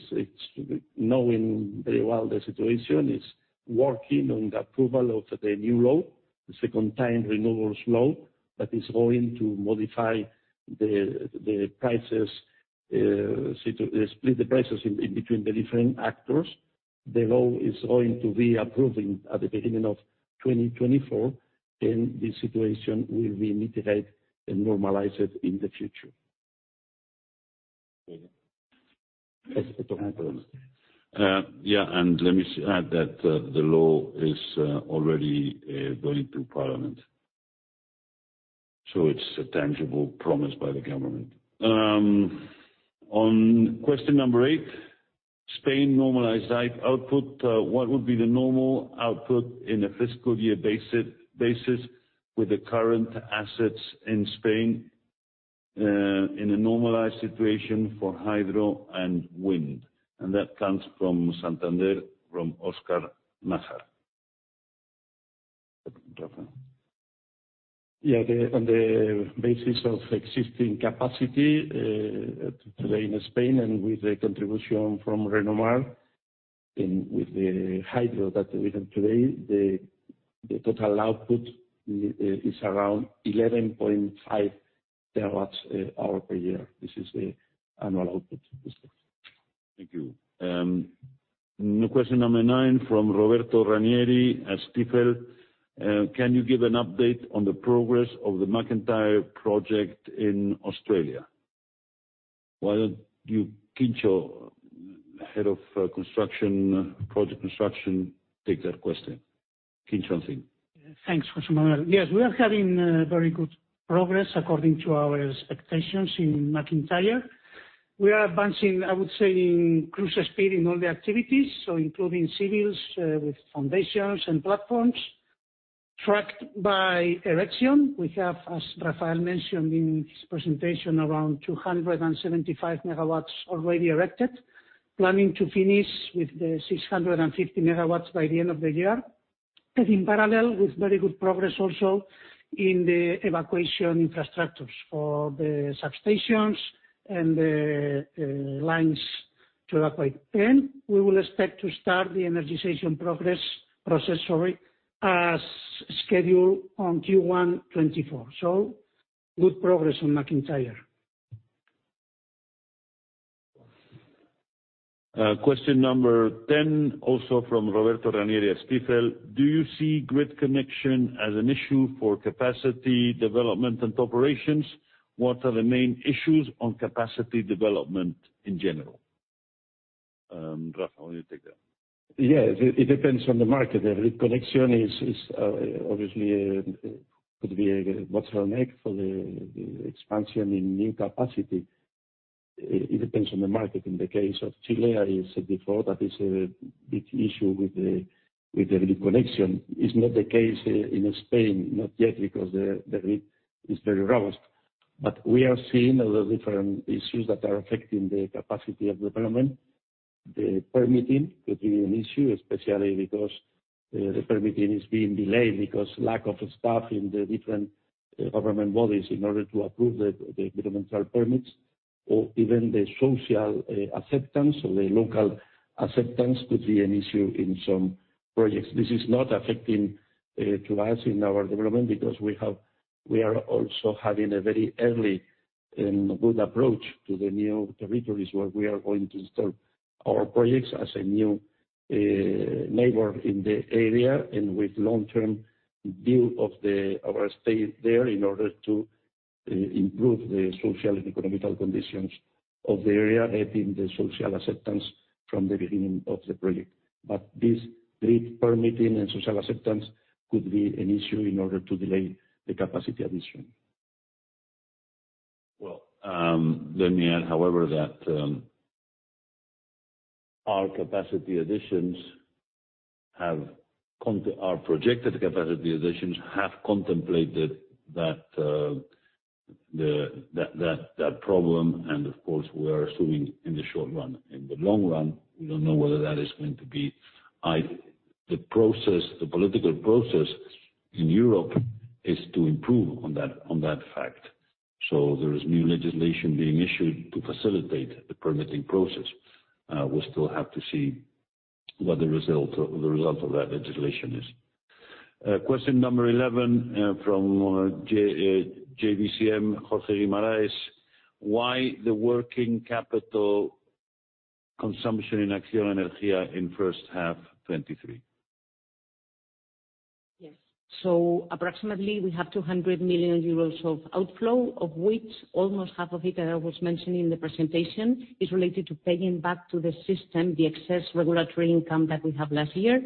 knowing very well the situation, is working on the approval of the new law, the second time renewables law, that is going to modify the prices, so to split the prices in between the different actors. The law is going to be approving at the beginning of 2024, the situation will be mitigated and normalized in the future. Yeah, and let me add that the law is already going through parliament, so it's a tangible promise by the government. On question number 8, Spain normalized output. What would be the normal output in a fiscal year basis, basis, with the current assets in Spain, in a normalized situation for hydro and wind? That comes from Santander, from Oscar Najar. Rafa. Yeah, on the basis of existing capacity today in Spain, and with the contribution from Renomar, with the hydro that we have today, the total output is around 11.5 terawatt-hours per year. This is the annual output. Thank you. Question number nine, from Roberto Ranieri at Stifel. Can you give an update on the progress of the MacIntyre project in Australia? Why don't you, Quincho, head of construction, project construction, take that question? Quinchon Shin. Thanks, José Manuel. Yes, we are having very good progress according to our expectations in MacIntyre. We are advancing, I would say, in cruise speed in all the activities, including civils, with foundations and platforms, tracked by erection. We have, as Rafael mentioned in his presentation, around 275 megawatts already erected, planning to finish with the 650 megawatts by the end of the year. In parallel, with very good progress also in the evacuation infrastructures for the substations and the lines to evacuate. We will expect to start the energization progress, process, sorry, as scheduled on Q1 2024. Good progress on MacIntyre. question number 10, also from Roberto Raniri at Stifel: Do you see grid connection as an issue for capacity, development, and operations? What are the main issues on capacity development in general? Rafa, why don't you take that? Yeah, it, it depends on the market. The grid connection is, is obviously, could be a bottleneck for the, the expansion in new capacity. It, it depends on the market. In the case of Chile, I said before, that is a big issue with the, with the grid connection. It's not the case in Spain, not yet, because the, the grid is very robust. We are seeing other different issues that are affecting the capacity of development. The permitting could be an issue, especially because the permitting is being delayed because lack of staff in the different government bodies, in order to approve the, the governmental permits, or even the social acceptance or the local acceptance could be an issue in some projects. This is not affecting to us in our development, because we are also having a very early and good approach to the new territories where we are going to install our projects as a new entry. neighbor in the area, and with long-term view of the our stay there in order to improve the social and economical conditions of the area, helping the social acceptance from the beginning of the project. This grid permitting and social acceptance could be an issue in order to delay the capacity addition. Well, let me add, however, that our projected capacity additions have contemplated that problem, and of course, we are assuming in the short run. In the long run, we don't know whether that is going to be the process, the political process in Europe is to improve on that fact. There is new legislation being issued to facilitate the permitting process. We still have to see what the result of that legislation is. Question number 11 from JBCM, Jorge Guimaraes: Why the working capital consumption in Acciona Energía in first half 2023? Yes. Approximately we have 200 million euros of outflow, of which almost half of it, I was mentioning in the presentation, is related to paying back to the system, the excess regulatory income that we have last year.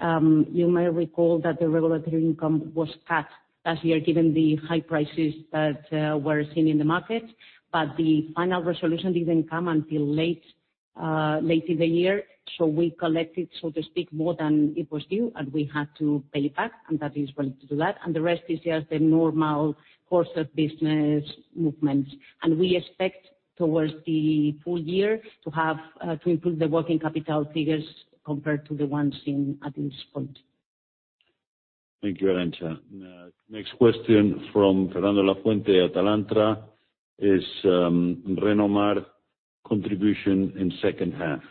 You may recall that the regulatory income was cut last year, given the high prices that were seen in the market, but the final resolution didn't come until late, late in the year. We collected, so to speak, more than it was due, and we had to pay it back, and that is going to do that. The rest is just the normal course of business movements. We expect towards the full year to have to improve the working capital figures compared to the ones in at this point. Thank you, Arantza. next question from Fernando Lafuente at Atalantra, is, Renomar contribution in second half?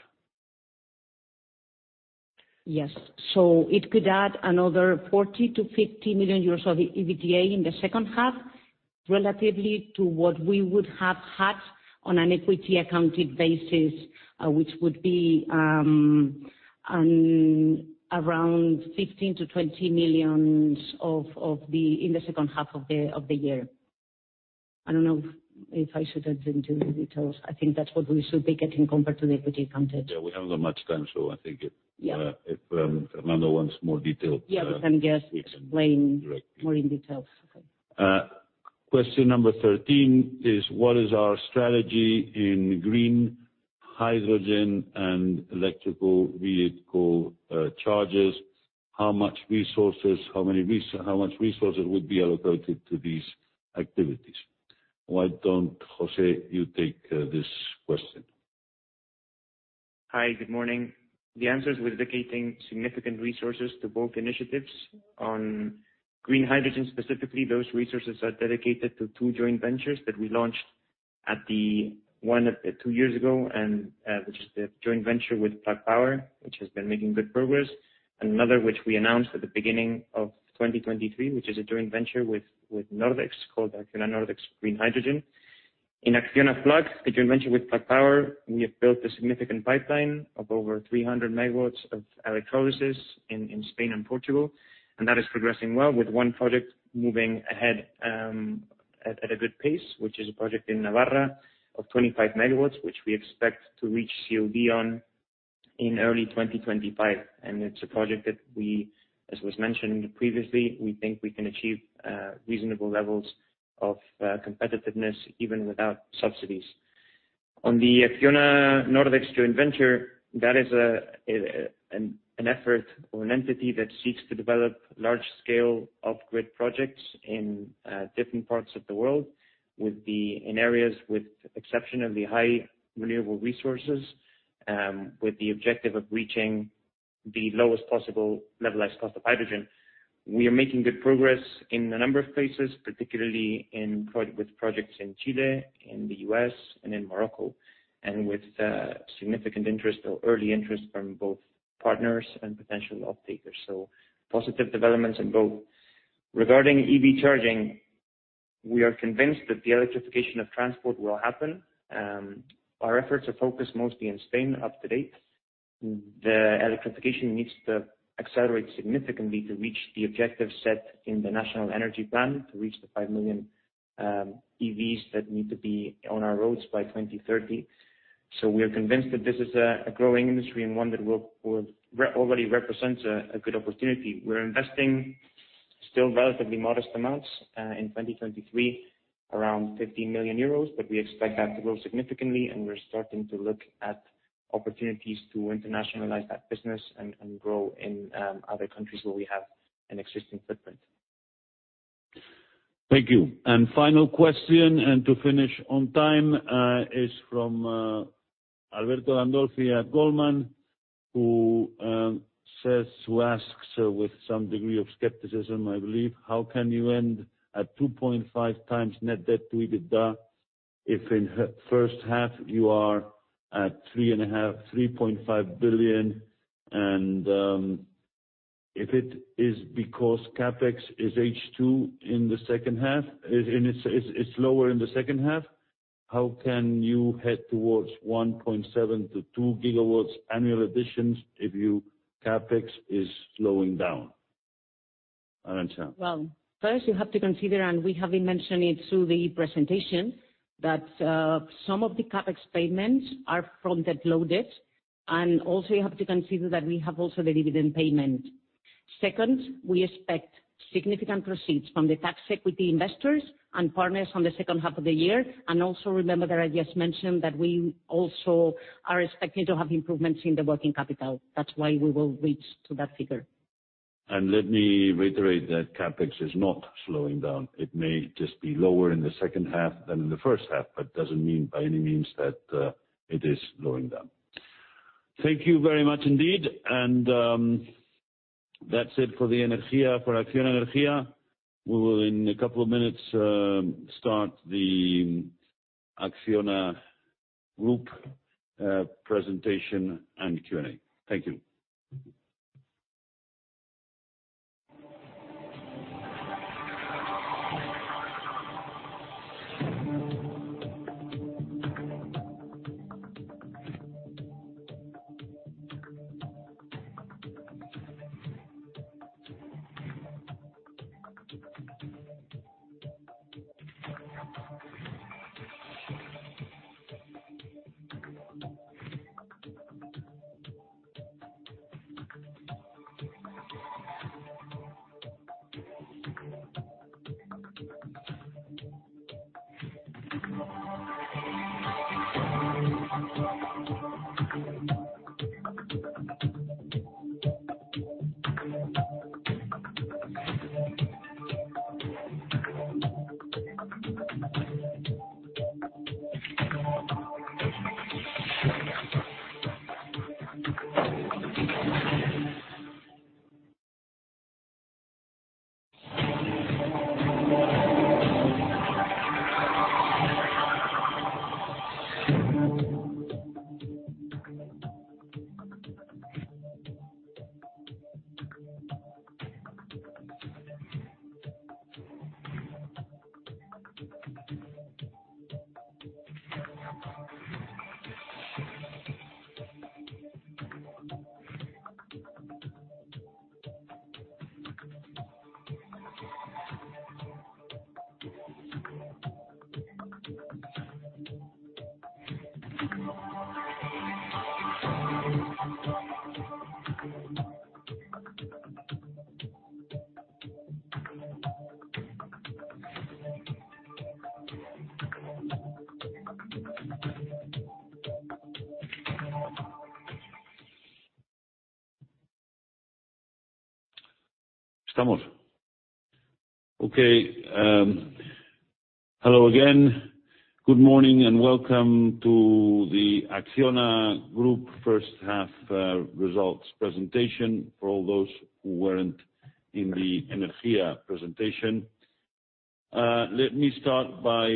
Yes. It could add another 40 million-50 million euros of EBITDA in the second half, relatively to what we would have had on an equity accounted basis, which would be around 15 million-20 million in the second half of the year. I don't know if I should add into the details. I think that's what we should be getting compared to the equity accounted. Yeah, we haven't got much time, I think it. Yeah. If Fernando wants more details. Yeah, we can just explain-. Correct. more in details. Okay. Question number 13 is: What is our strategy in green hydrogen and electrical vehicle charges? How much resources, how much resources would be allocated to these activities? Why don't, José, you take this question? Hi, good morning. The answer is we're dedicating significant resources to both initiatives. On green hydrogen, specifically, those resources are dedicated to two joint ventures that we launched at the one, two years ago, and which is the joint venture with Plug Power, which has been making good progress, and another, which we announced at the beginning of 2023, which is a joint venture with Nordex, called Acciona Nordex Green Hydrogen. In Acciona Plug, the joint venture with Plug Power, we have built a significant pipeline of over 300 megawatts of electrolysis in Spain and Portugal, and that is progressing well, with one project moving ahead at a good pace, which is a project in Navarra of 25 megawatts, which we expect to reach COD on in early 2025. It's a project that we, as was mentioned previously, we think we can achieve reasonable levels of competitiveness, even without subsidies. On the Acciona Nordex joint venture, that is an effort or an entity that seeks to develop large scale off-grid projects in different parts of the world, with the, in areas with exceptionally high renewable resources, with the objective of reaching the lowest possible levelized cost of hydrogen. We are making good progress in a number of places, particularly with projects in Chile, in the US, and in Morocco, and with significant interest or early interest from both partners and potential off-takers. Positive developments in both. Regarding EV charging, we are convinced that the electrification of transport will happen. Our efforts are focused mostly in Spain up to date. The electrification needs to accelerate significantly to reach the objectives set in the National Energy Plan, to reach the 5 million EVs that need to be on our roads by 2030. We are convinced that this is a, a growing industry and one that will, will re- already represents a, a good opportunity. We're investing still relatively modest amounts in 2023, around 15 million euros, but we expect that to grow significantly, and we're starting to look at opportunities to internationalize that business and, and grow in other countries where we have an existing footprint. Thank you. Final question, and to finish on time, is from Alberto Gandolfi at Goldman Sachs, who says, who asks with some degree of skepticism, I believe: How can you end at 2.5x net debt to EBITDA, if in first half you are at 3.5 billion and if it is because CapEx is H2 in the second half, and it's lower in the second half, how can you head towards 1.7-2 GW annual additions if your CapEx is slowing down? Arantza. Well, first you have to consider, and we have been mentioning it through the presentation, that some of the CapEx payments are front-end loaded, and also you have to consider that we have also the dividend payment. Second, we expect significant receipts from the tax equity investors and partners on the second half of the year. Also remember that I just mentioned that we also are expecting to have improvements in the working capital. That's why we will reach to that figure. Let me reiterate that CapEx is not slowing down. It may just be lower in the second half than in the first half, but doesn't mean by any means that it is slowing down. Thank you very much indeed, that's it for the Energía, for Acciona Energía. We will, in a couple of minutes, start the Acciona Group presentation and Q&A. Thank you. Hello again. Good morning, welcome to the Acciona Group first half results presentation, for all those who weren't in the Energía presentation. Let me start by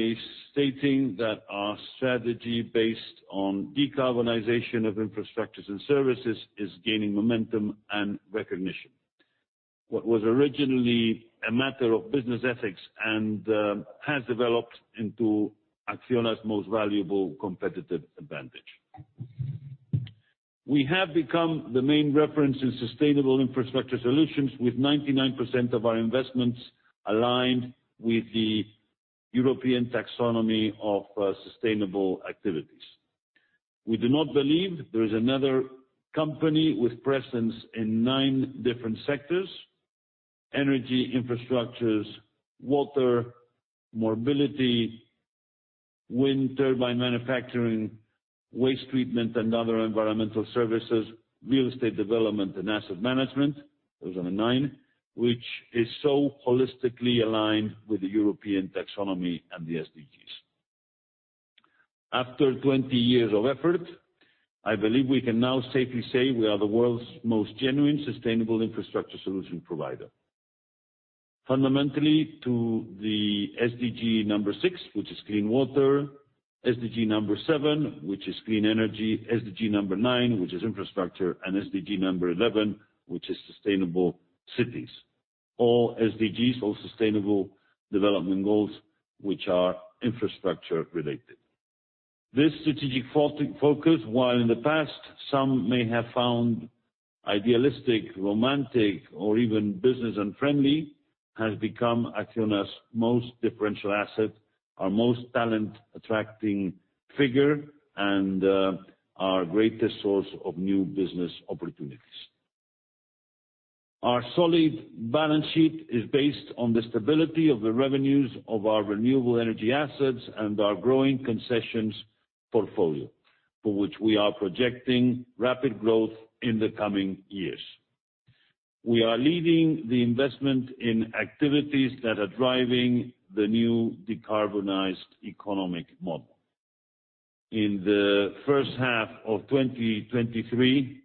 stating that our strategy, based on decarbonization of infrastructures and services, is gaining momentum and recognition. What was originally a matter of business ethics has developed into Acciona's most valuable competitive advantage. We have become the main reference in sustainable infrastructure solutions, with 99% of our investments aligned with the European Taxonomy of sustainable activities. We do not believe there is another company with presence in 9 different sectors: energy, infrastructures, water, mobility, wind turbine manufacturing, waste treatment, and other environmental services, real estate development, and asset management. Those are the 9, which is so holistically aligned with the European Taxonomy and the SDGs. After 20 years of effort, I believe we can now safely say we are the world's most genuine, sustainable infrastructure solution provider. Fundamentally, to the SDG number 6, which is clean water, SDG number 7, which is clean energy, SDG number 9, which is infrastructure, and SDG number 11, which is sustainable cities. All SDGs, all sustainable development goals, which are infrastructure related. This strategic focus, while in the past, some may have found idealistic, romantic, or even business unfriendly, has become Acciona's most differential asset, our most talent-attracting figure, and our greatest source of new business opportunities. Our solid balance sheet is based on the stability of the revenues of our renewable energy assets and our growing concessions portfolio, for which we are projecting rapid growth in the coming years. We are leading the investment in activities that are driving the new decarbonized economic model. In the first half of 2023,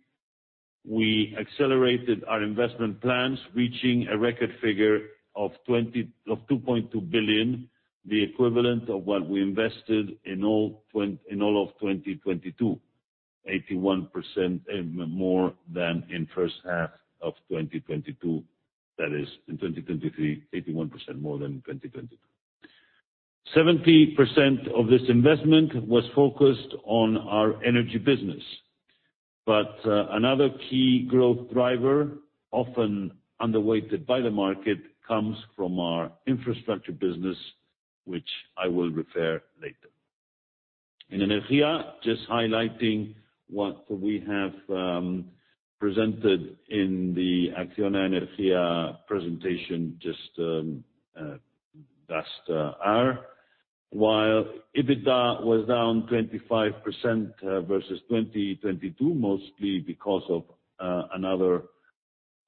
we accelerated our investment plans, reaching a record figure of 2.2 billion, the equivalent of what we invested in all of 2022, 81% more than in first half of 2022. That is, in 2023, 81% more than in 2022. 70% of this investment was focused on our energy business. Another key growth driver, often underweighted by the market, comes from our infrastructure business, which I will refer later. In Energia, just highlighting what we have presented in the Acciona Energía presentation just last hour. While EBITDA was down 25% versus 2022, mostly because of another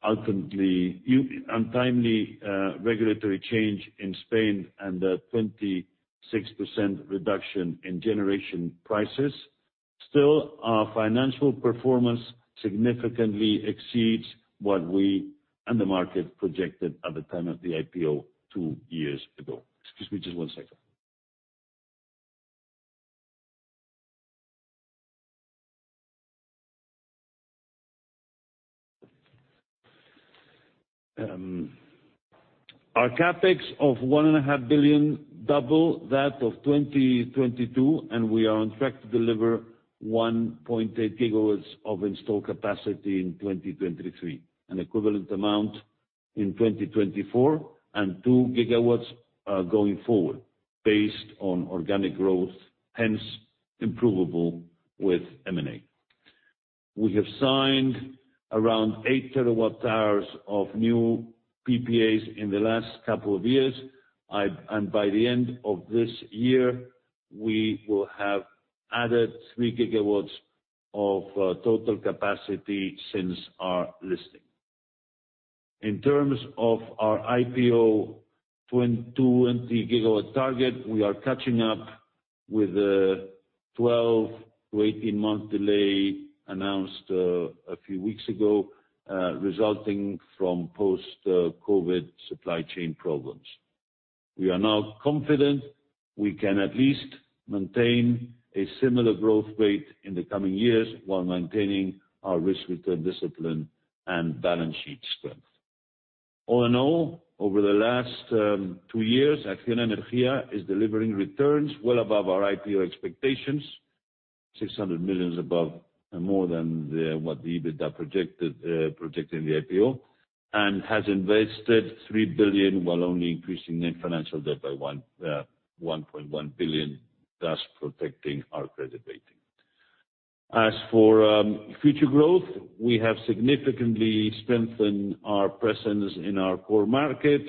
ultimately untimely regulatory change in Spain, and a 26% reduction in generation prices, still, our financial performance significantly exceeds what we, and the market, projected at the time of the IPO two years ago. Excuse me just one second. Our CapEx of 1.5 billion, double that of 2022. We are on track to deliver 1.8 GW of installed capacity in 2023, an equivalent amount in 2024, and 2 GW going forward, based on organic growth, hence improvable with M&A. We have signed around 8 terawatt-hours of new PPAs in the last couple of years. By the end of this year, we will have added 3 GW of total capacity since our listing. In terms of our IPO, 22, 20 GW target, we are catching up with a 12-18-month delay announced a few weeks ago, resulting from post-COVID supply chain problems. We are now confident we can at least maintain a similar growth rate in the coming years, while maintaining our risk return discipline and balance sheet strength. All in all, over the last two years, Acciona Energía is delivering returns well above our IPO expectations, 600 million above, and more than the, what the EBITDA projected, projected in the IPO, and has invested 3 billion, while only increasing net financial debt by 1.1 billion, thus protecting our credit rating. As for future growth, we have significantly strengthened our presence in our core markets,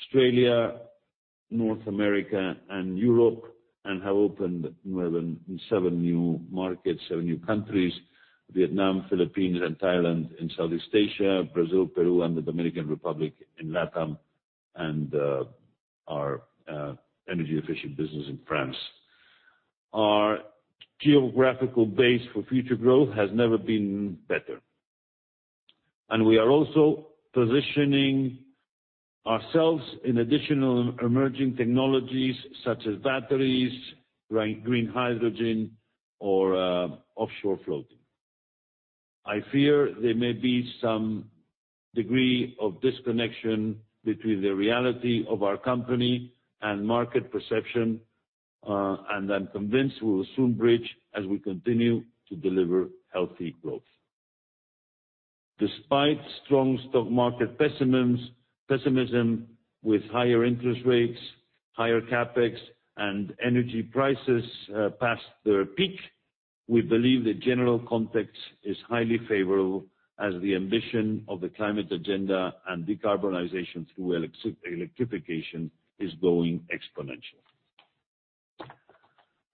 Australia, North America, and Europe, and have opened more than seven new markets, seven new countries: Vietnam, Philippines, and Thailand in Southeast Asia, Brazil, Peru, and the Dominican Republic in LATAM, and our energy efficient business in France. Our geographical base for future growth has never been better, and we are also positioning ourselves in additional emerging technologies such as batteries, green hydrogen, or offshore floating. I fear there may be some degree of disconnection between the reality of our company and market perception. I'm convinced we will soon bridge as we continue to deliver healthy growth. Despite strong stock market pessimisms, pessimism, with higher interest rates, higher CapEx, and energy prices past their peak, we believe the general context is highly favorable, as the ambition of the climate agenda and decarbonization through elec- electrification is going exponential.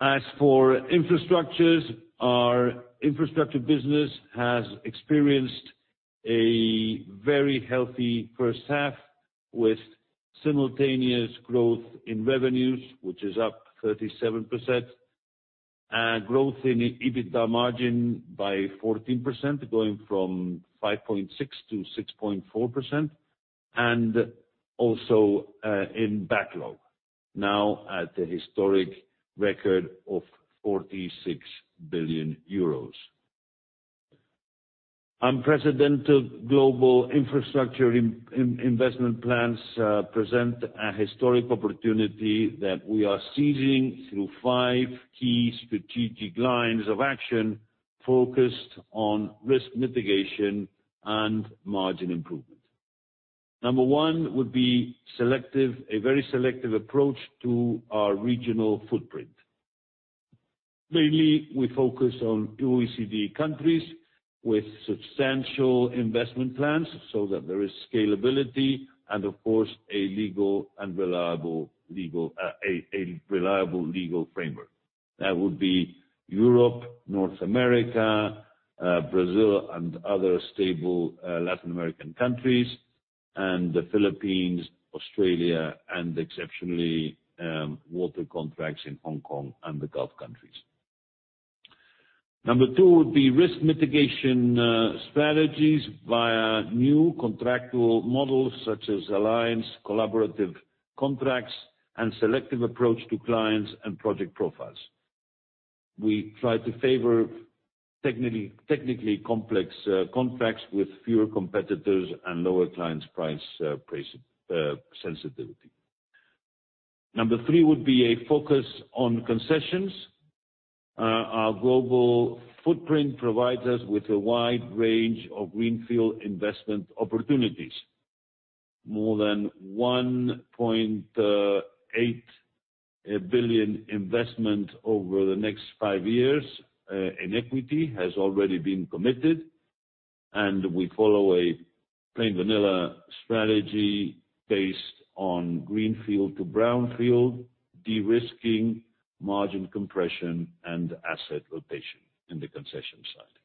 As for infrastructures, our infrastructure business has experienced a very healthy first half, with simultaneous growth in revenues, which is up 37%, and growth in EBITDA margin by 14%, going from 5.6%-6.4%. Also, in backlog, now at a historic record of 46 billion euros. Unprecedented global infrastructure investment plans present a historic opportunity that we are seizing through five key strategic lines of action, focused on risk mitigation and margin improvement. Number one would be selective, a very selective approach to our regional footprint. Mainly, we focus on OECD countries with substantial investment plans, so that there is scalability and, of course, a legal and reliable legal framework. That would be Europe, North America, Brazil, and other stable Latin American countries, and the Philippines, Australia, and exceptionally, water contracts in Hong Kong and the Gulf countries. Number two, the risk mitigation strategies via new contractual models, such as alliance, collaborative contracts, and selective approach to clients and project profiles. We try to favor technically complex contracts with fewer competitors and lower clients' price sensitivity. Number three would be a focus on concessions. Our global footprint provides us with a wide range of greenfield investment opportunities. More than 1.8 billion investment over the next five years in equity has already been committed, and we follow a plain vanilla strategy based on greenfield to brownfield, de-risking, margin compression, and asset rotation in the concession side.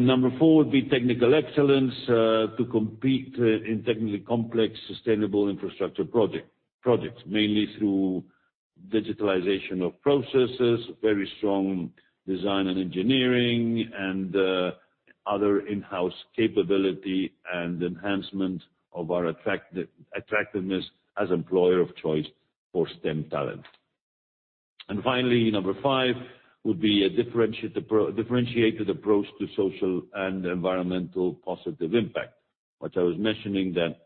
Number four would be technical excellence to compete in technically complex, sustainable infrastructure projects, mainly through digitalization of processes, very strong design and engineering, and other in-house capability and enhancement of our attractiveness as employer of choice for STEM talent. Finally, number five would be a differentiated approach to social and environmental positive impact. What I was mentioning that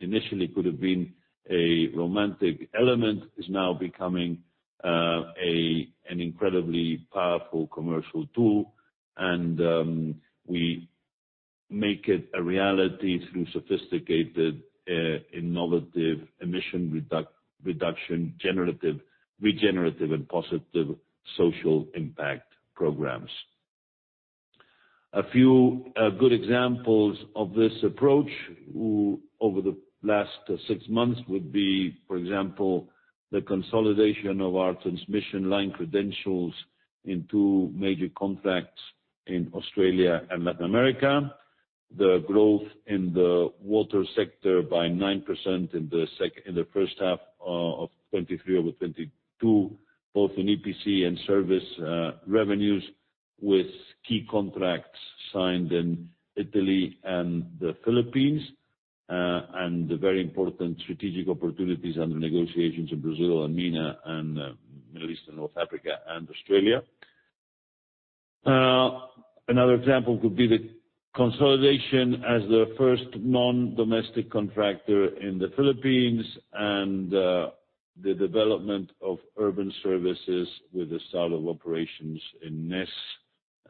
initially could have been a romantic element, is now becoming, a, an incredibly powerful commercial tool, and we make it a reality through sophisticated, innovative emission reduction, generative, regenerative, and positive social impact programs. A few good examples of this approach, over the last 6 months, would be, for example, the consolidation of our transmission line credentials in 2 major contracts in Australia and Latin America. The growth in the water sector by 9% in the first half of 2023 over 2022, both in EPC and service revenues, with key contracts signed in Italy and the Philippines, and the very important strategic opportunities under negotiations in Brazil, and MENA, and Middle East, and North Africa, and Australia. Another example could be the consolidation as the first non-domestic contractor in the Philippines, the development of urban services with the start of operations in NES,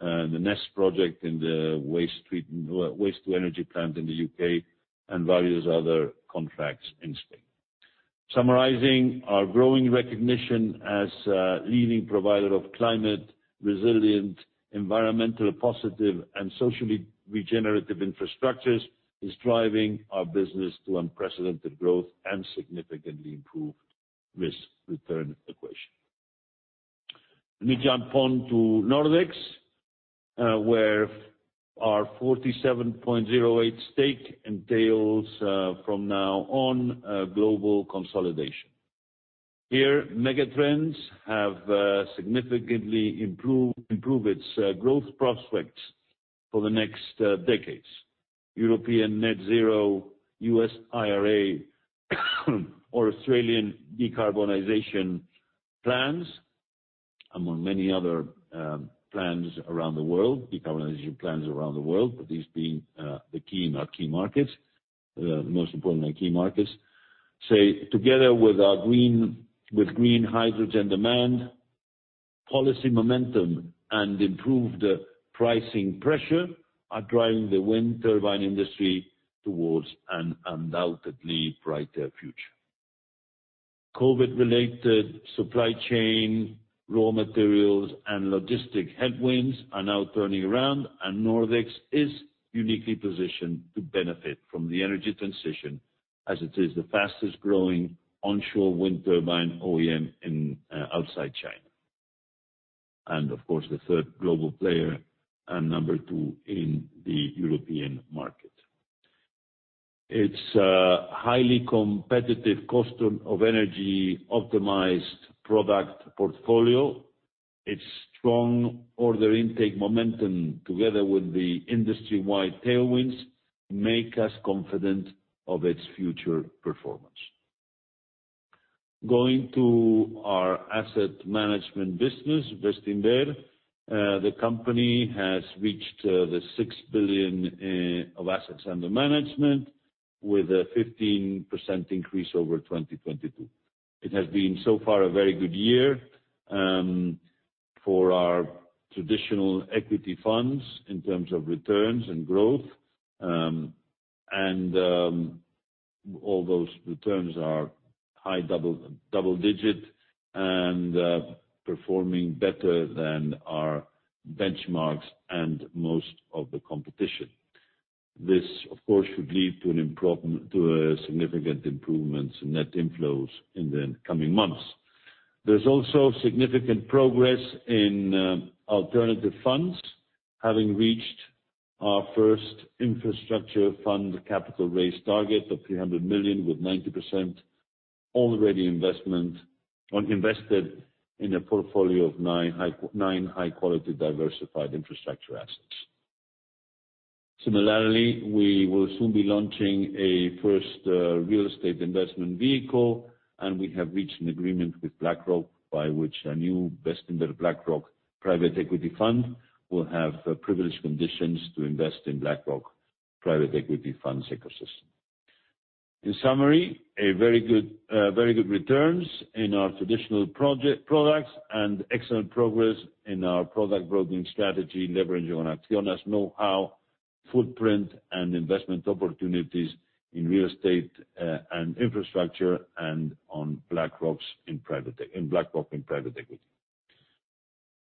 the NES project in the waste to energy plant in the UK, and various other contracts in Spain. Summarizing, our growing recognition as a leading provider of climate resilient, environmental positive, and socially regenerative infrastructures, is driving our business to unprecedented growth and significantly improved risk-return equation. Let me jump on to Nordex, where our 47.08 stake entails, from now on, global consolidation. Here, mega trends have significantly improved its growth prospects for the next decades. European Net Zero, U.S. IRA, or Australian decarbonization plans, among many other plans around the world, decarbonization plans around the world, these being the key in our key markets, the most important key markets. Together with our green hydrogen demand, policy momentum, and improved pricing pressure, are driving the wind turbine industry towards an undoubtedly brighter future. COVID-related supply chain, raw materials, and logistic headwinds are now turning around. Nordex is uniquely positioned to benefit from the energy transition, as it is the fastest growing onshore wind turbine OEM outside China. Of course, the 3rd global player, and number 2 in the European market. It's a highly competitive cost of energy, optimized product portfolio. Its strong order intake momentum, together with the industry-wide tailwinds, make us confident of its future performance. Going to our asset management business, Bestinver, the company has reached 6 billion of assets under management, with a 15% increase over 2022. It has been, so far, a very good year for our traditional equity funds in terms of returns and growth. All those returns are high, double-digit, and performing better than our benchmarks and most of the competition. This, of course, should lead to a significant improvements in net inflows in the coming months. There's also significant progress in alternative funds, having reached our first infrastructure fund capital raise target of 300 million, with 90% already invested in a portfolio of nine high quality, diversified infrastructure assets. Similarly, we will soon be launching a first real estate investment vehicle, and we have reached an agreement with BlackRock, by which a new Vestinber BlackRock private equity fund will have privileged conditions to invest in BlackRock private equity fund's ecosystem. In summary, very good returns in our traditional project, products, and excellent progress in our product broadening strategy, leveraging on Acciona's know-how, footprint, and investment opportunities in real estate, and infrastructure, and on BlackRock's in BlackRock in private equity.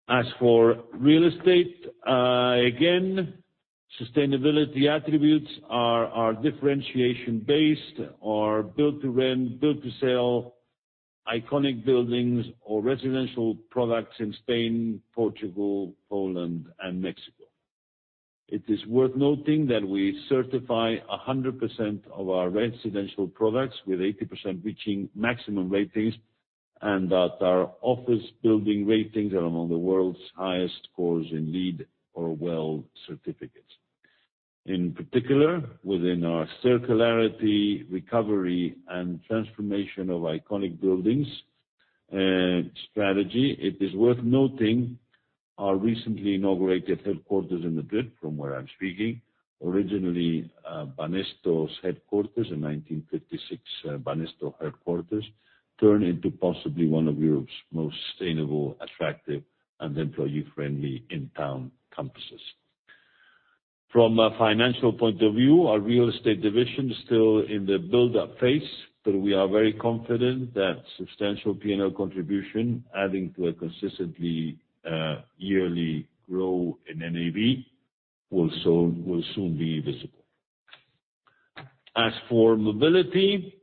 As for real estate, again, sustainability attributes are differentiation based or build to rent, build to sell, iconic buildings or residential products in Spain, Portugal, Poland, and Mexico. It is worth noting that we certify 100% of our residential products, with 80% reaching maximum ratings, and that our office building ratings are among the world's highest scores in lead or world certificates. In particular, within our circularity, recovery, and transformation of iconic buildings, strategy, it is worth noting our recently inaugurated headquarters in Madrid, from where I'm speaking, originally, Banesto's headquarters, in 1956, Banesto headquarters, turned into possibly one of Europe's most sustainable, attractive, and employee-friendly in-town campuses. From a financial point of view, our real estate division is still in the build-up phase, but we are very confident that substantial P&L contribution, adding to a consistently, yearly growth in NAV, will soon be visible. As for mobility,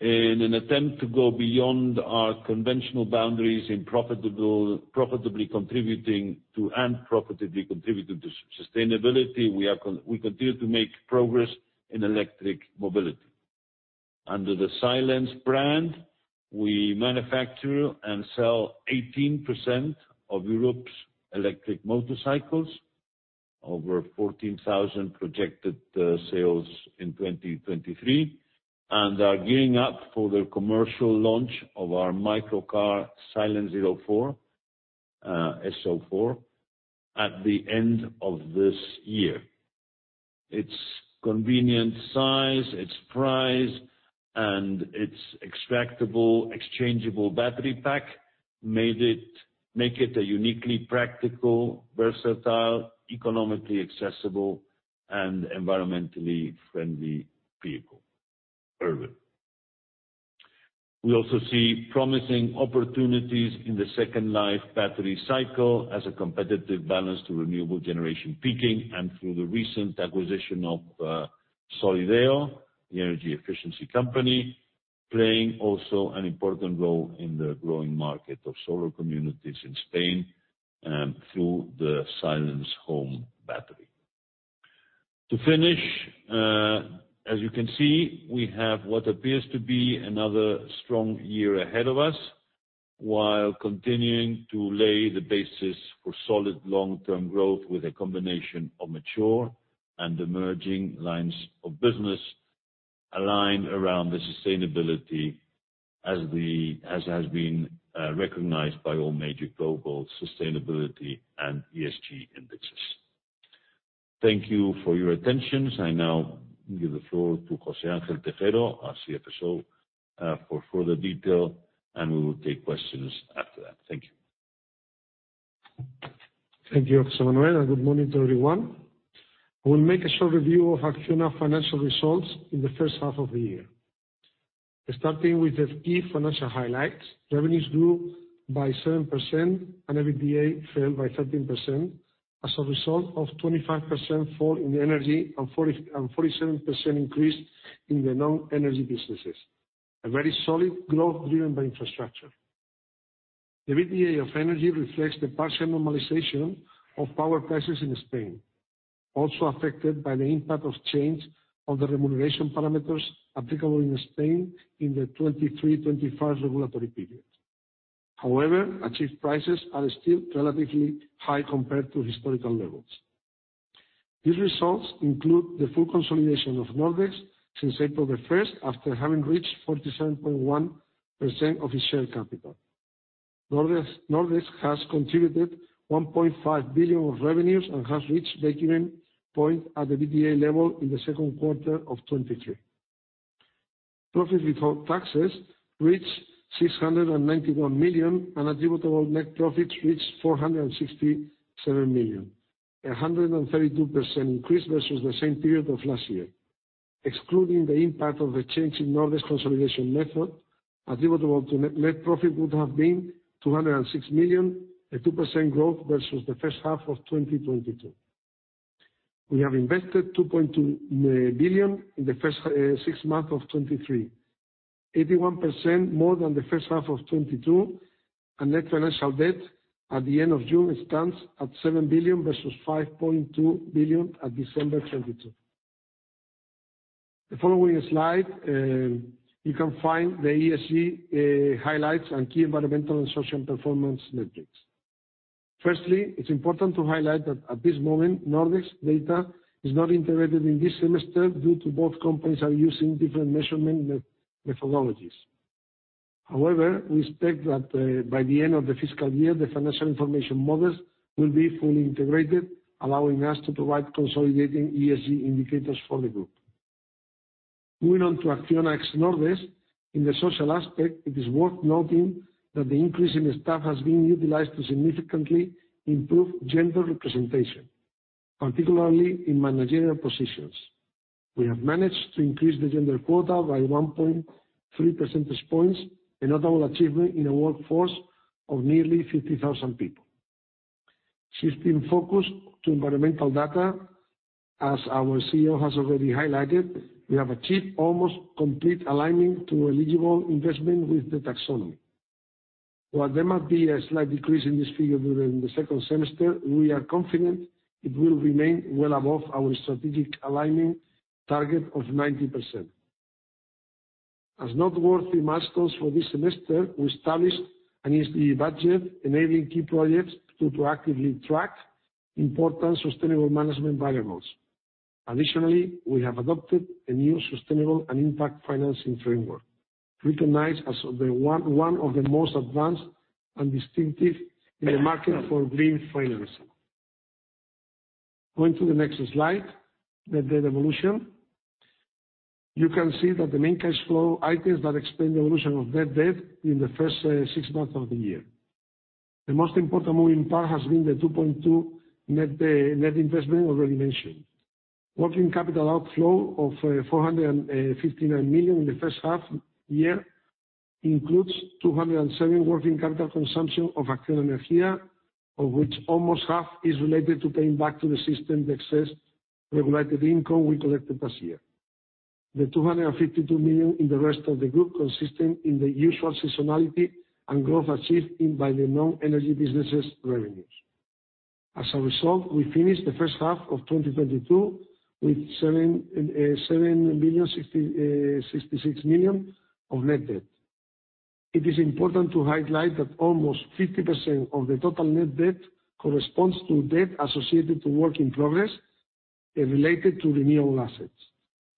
in an attempt to go beyond our conventional boundaries in profitable, profitably contributing to, and profitably contributing to sustainability, we continue to make progress in electric mobility. Under the Silence brand, we manufacture and sell 18% of Europe's electric motorcycles, over 14,000 projected sales in 2023, and are gearing up for the commercial launch of our microcar, Silence Zero Four, SO4, at the end of this year. Its convenient size, its price, and its extractable, exchangeable battery pack make it a uniquely practical, versatile, economically accessible, and environmentally friendly vehicle, urban. We also see promising opportunities in the second life battery cycle as a competitive balance to renewable generation peaking, and through the recent acquisition of Solideo, the energy efficiency company, playing also an important role in the growing market of solar communities in Spain, through the Silence home battery. To finish, as you can see, we have what appears to be another strong year ahead of us, while continuing to lay the basis for solid long-term growth with a combination of mature and emerging lines of business aligned around the sustainability as the, as has been recognized by all major global sustainability and ESG indexes. Thank you for your attention. I now give the floor to Jose Ánge Tejero, our CFSO, for further detail, and we will take questions after that. Thank you. Thank you, José Manuel, and good morning to everyone. I will make a short review of Acciona financial results in the first half of the year. Starting with the key financial highlights, revenues grew by 7% and EBITDA fell by 13%, as a result of 25% fall in energy and 47% increase in the non-energy businesses. A very solid growth driven by infrastructure. The EBITDA of energy reflects the partial normalization of power prices in Spain, also affected by the impact of change of the remuneration parameters applicable in Spain in the 23, 21st regulatory period. However, achieved prices are still relatively high compared to historical levels. These results include the full consolidation of Nordex since April 1st, after having reached 47.1% of its share capital. Nordex, Nordex has contributed 1.5 billion of revenues and has reached the even point at the EBITDA level in the Q2 of 2023. Profit before taxes reached 691 million, and attributable net profits reached 467 million, a 132% increase versus the same period of last year. Excluding the impact of the change in Nordex consolidation method, attributable net profit would have been 206 million, a 2% growth versus the first half of 2022. We have invested 2.2 billion in the first 6 months of 2023, 81% more than the first half of 2022, and net financial debt at the end of June stands at 7 billion versus 5.2 billion at December 2022. The following slide, you can find the ESG highlights and key environmental and social performance metrics. Firstly, it's important to highlight that at this moment, Nordex data is not integrated in this semester due to both companies are using different measurement methodologies. However, we expect that, by the end of the fiscal year, the financial information models will be fully integrated, allowing us to provide consolidating ESG indicators for the group. Moving on to Acciona X Nordex, in the social aspect, it is worth noting that the increase in the staff has been utilized to significantly improve gender representation, particularly in managerial positions. We have managed to increase the gender quota by 1.3 percentage points, a notable achievement in a workforce of nearly 50,000 people. Shifting focus to environmental data, as our CEO has already highlighted, we have achieved almost complete alignment to eligible investment with the EU Taxonomy. While there might be a slight decrease in this figure during the second semester, we are confident it will remain well above our strategic alignment target of 90%. As noteworthy milestones for this semester, we established an ESG budget, enabling key projects to proactively track important sustainable management variables. Additionally, we have adopted a new sustainable and impact financing framework, recognized as one of the most advanced and distinctive in the market for green financing. Going to the next slide, the debt evolution. You can see that the main cash flow items that explain the evolution of net debt in the first 6 months of the year. The most important moving part has been the 2.2 net investment already mentioned. Working capital outflow of 459 million in the first half year includes 207 working capital consumption of Acciona Energía, of which almost half is related to paying back to the system the excess regulated income we collected this year. The 252 million in the rest of the group, consisting in the usual seasonality and growth achieved in by the non-energy businesses' revenues. As a result, we finished the first half of 2022 with 7,066 million of net debt. It is important to highlight that almost 50% of the total net debt corresponds to debt associated to work in progress and related to renewable assets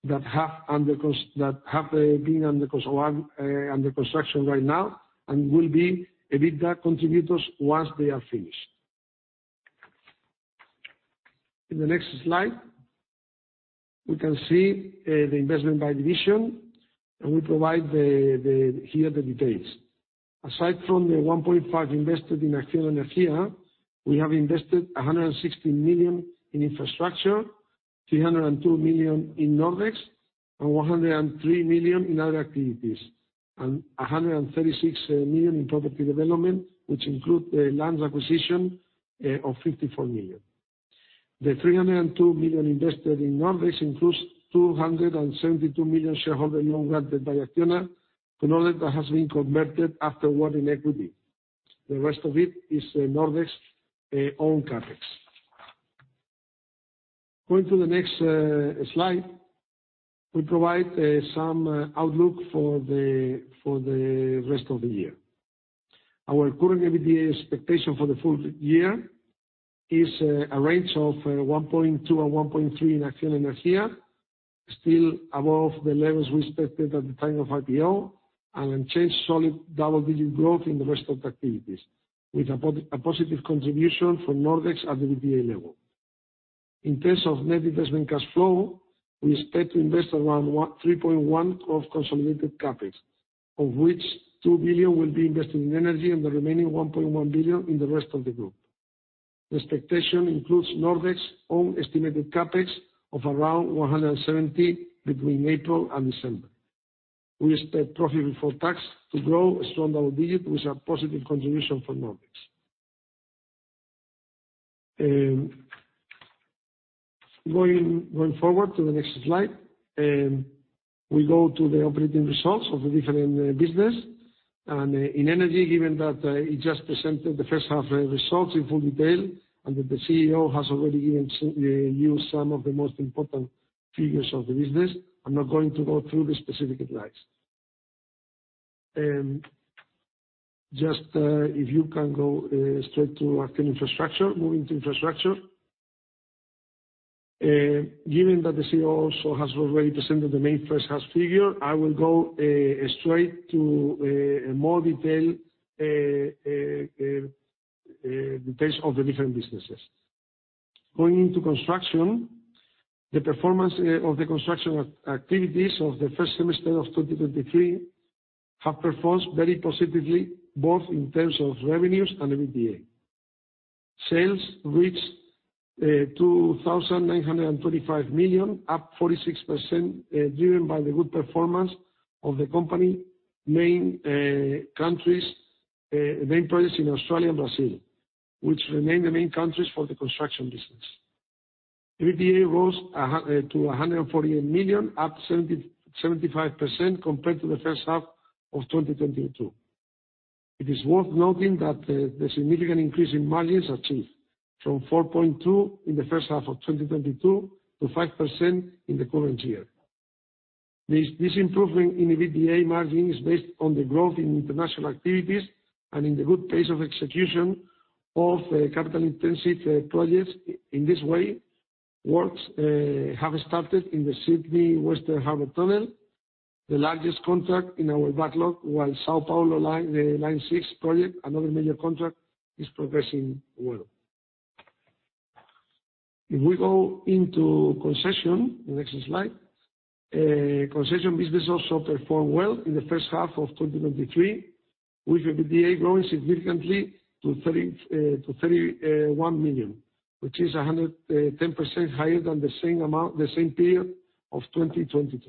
that have been under construction right now and will be EBITDA contributors once they are finished. In the next slide, we can see the investment by division, and we provide the, the, here, the details. Aside from the 1.5 invested in Acciona Energía, we have invested 160 million in infrastructure, 302 million in Nordex, 103 million in other activities, and 136 million in property development, which include the lands acquisition of 54 million. The 302 million invested in Nordex includes EUR 272 million shareholder loan granted by Acciona to Nordex that has been converted afterward in equity. The rest of it is Nordex own CapEx. Going to the next slide, we provide some outlook for the rest of the year. Our current EBITDA expectation for the full year is a range of 1.2 billion-1.3 billion in Acciona Energía, still above the levels we expected at the time of IPO, and unchanged solid double-digit growth in the rest of the activities, with a positive contribution from Nordex at the EBITDA level. In terms of net investment cash flow, we expect to invest around 3.1 billion of consolidated CapEx, of which 2 billion will be invested in energy and the remaining 1.1 billion in the rest of the group. The expectation includes Nordex's own estimated CapEx of around 170 million between April and December. We expect profit before tax to grow a strong double-digit, with a positive contribution from Nordex. Going forward to the next slide, we go to the operating results of the different business. In energy, given that it just presented the first half results in full detail, and that the CEO has already given you some of the most important figures of the business, I'm not going to go through the specific slides. Just if you can go straight to Acciona Infrastructure. Moving to infrastructure, given that the CEO also has already presented the main first half figure, I will go straight to more detail details of the different businesses. Going into construction, the performance of the construction activities of the first semester of 2023 have performed very positively, both in terms of revenues and EBITDA. Sales reached 2,925 million, up 46%, driven by the good performance of the company main countries, main projects in Australia and Brazil, which remain the main countries for the construction business. EBITDA rose to 148 million, up 75% compared to the first half of 2022. It is worth noting that the significant increase in margins achieved from 4.2% in the first half of 2022, to 5% in the current year. This improvement in the EBITDA margin is based on the growth in international activities and in the good pace of execution of capital-intensive projects. In this way, works have started in the Sydney Western Harbour Tunnel, the largest contract in our backlog, while São Paulo Line, the Line 6 project, another major contract, is progressing well. If we go into concession, the next slide. Concession business also performed well in the first half of 2023, with EBITDA growing significantly to 31 million, which is 110% higher than the same amount, the same period of 2022.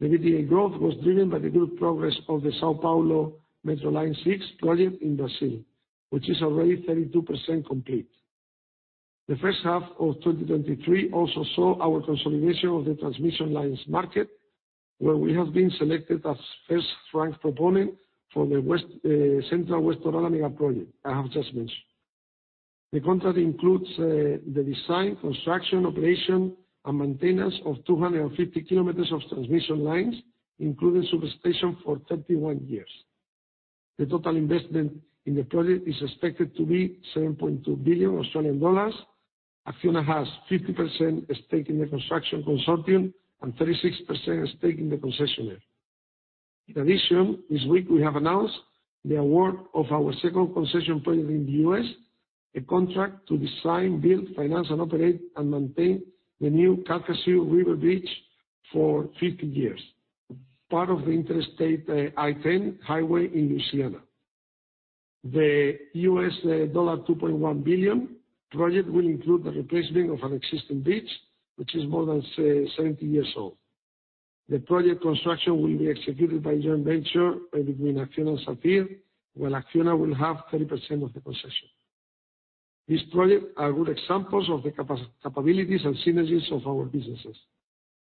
The EBITDA growth was driven by the good progress of the São Paulo Metro Line 6 project in Brazil, which is already 32% complete. The first half of 2023 also saw our consolidation of the transmission lines market, where we have been selected as first ranked proponent for the West, Central West Orana project I have just mentioned. The contract includes the design, construction, operation, and maintenance of 250 kilometers of transmission lines, including substation for 31 years. The total investment in the project is expected to be 7.2 billion Australian dollars. Acciona has 50% stake in the construction consortium, and 36% stake in the concessionaire. In addition, this week we have announced the award of our second concession project in the U.S., a contract to design, build, finance, and operate and maintain the new Calcasieu River Bridge for 50 years, part of the Interstate I-10 highway in Louisiana. The U.S. $2.1 billion project will include the replacement of an existing bridge, which is more than 70 years old. The project construction will be executed by a joint venture between Acciona and Sapir, while Acciona will have 30% of the concession. These projects are good examples of the capabilities and synergies of our businesses,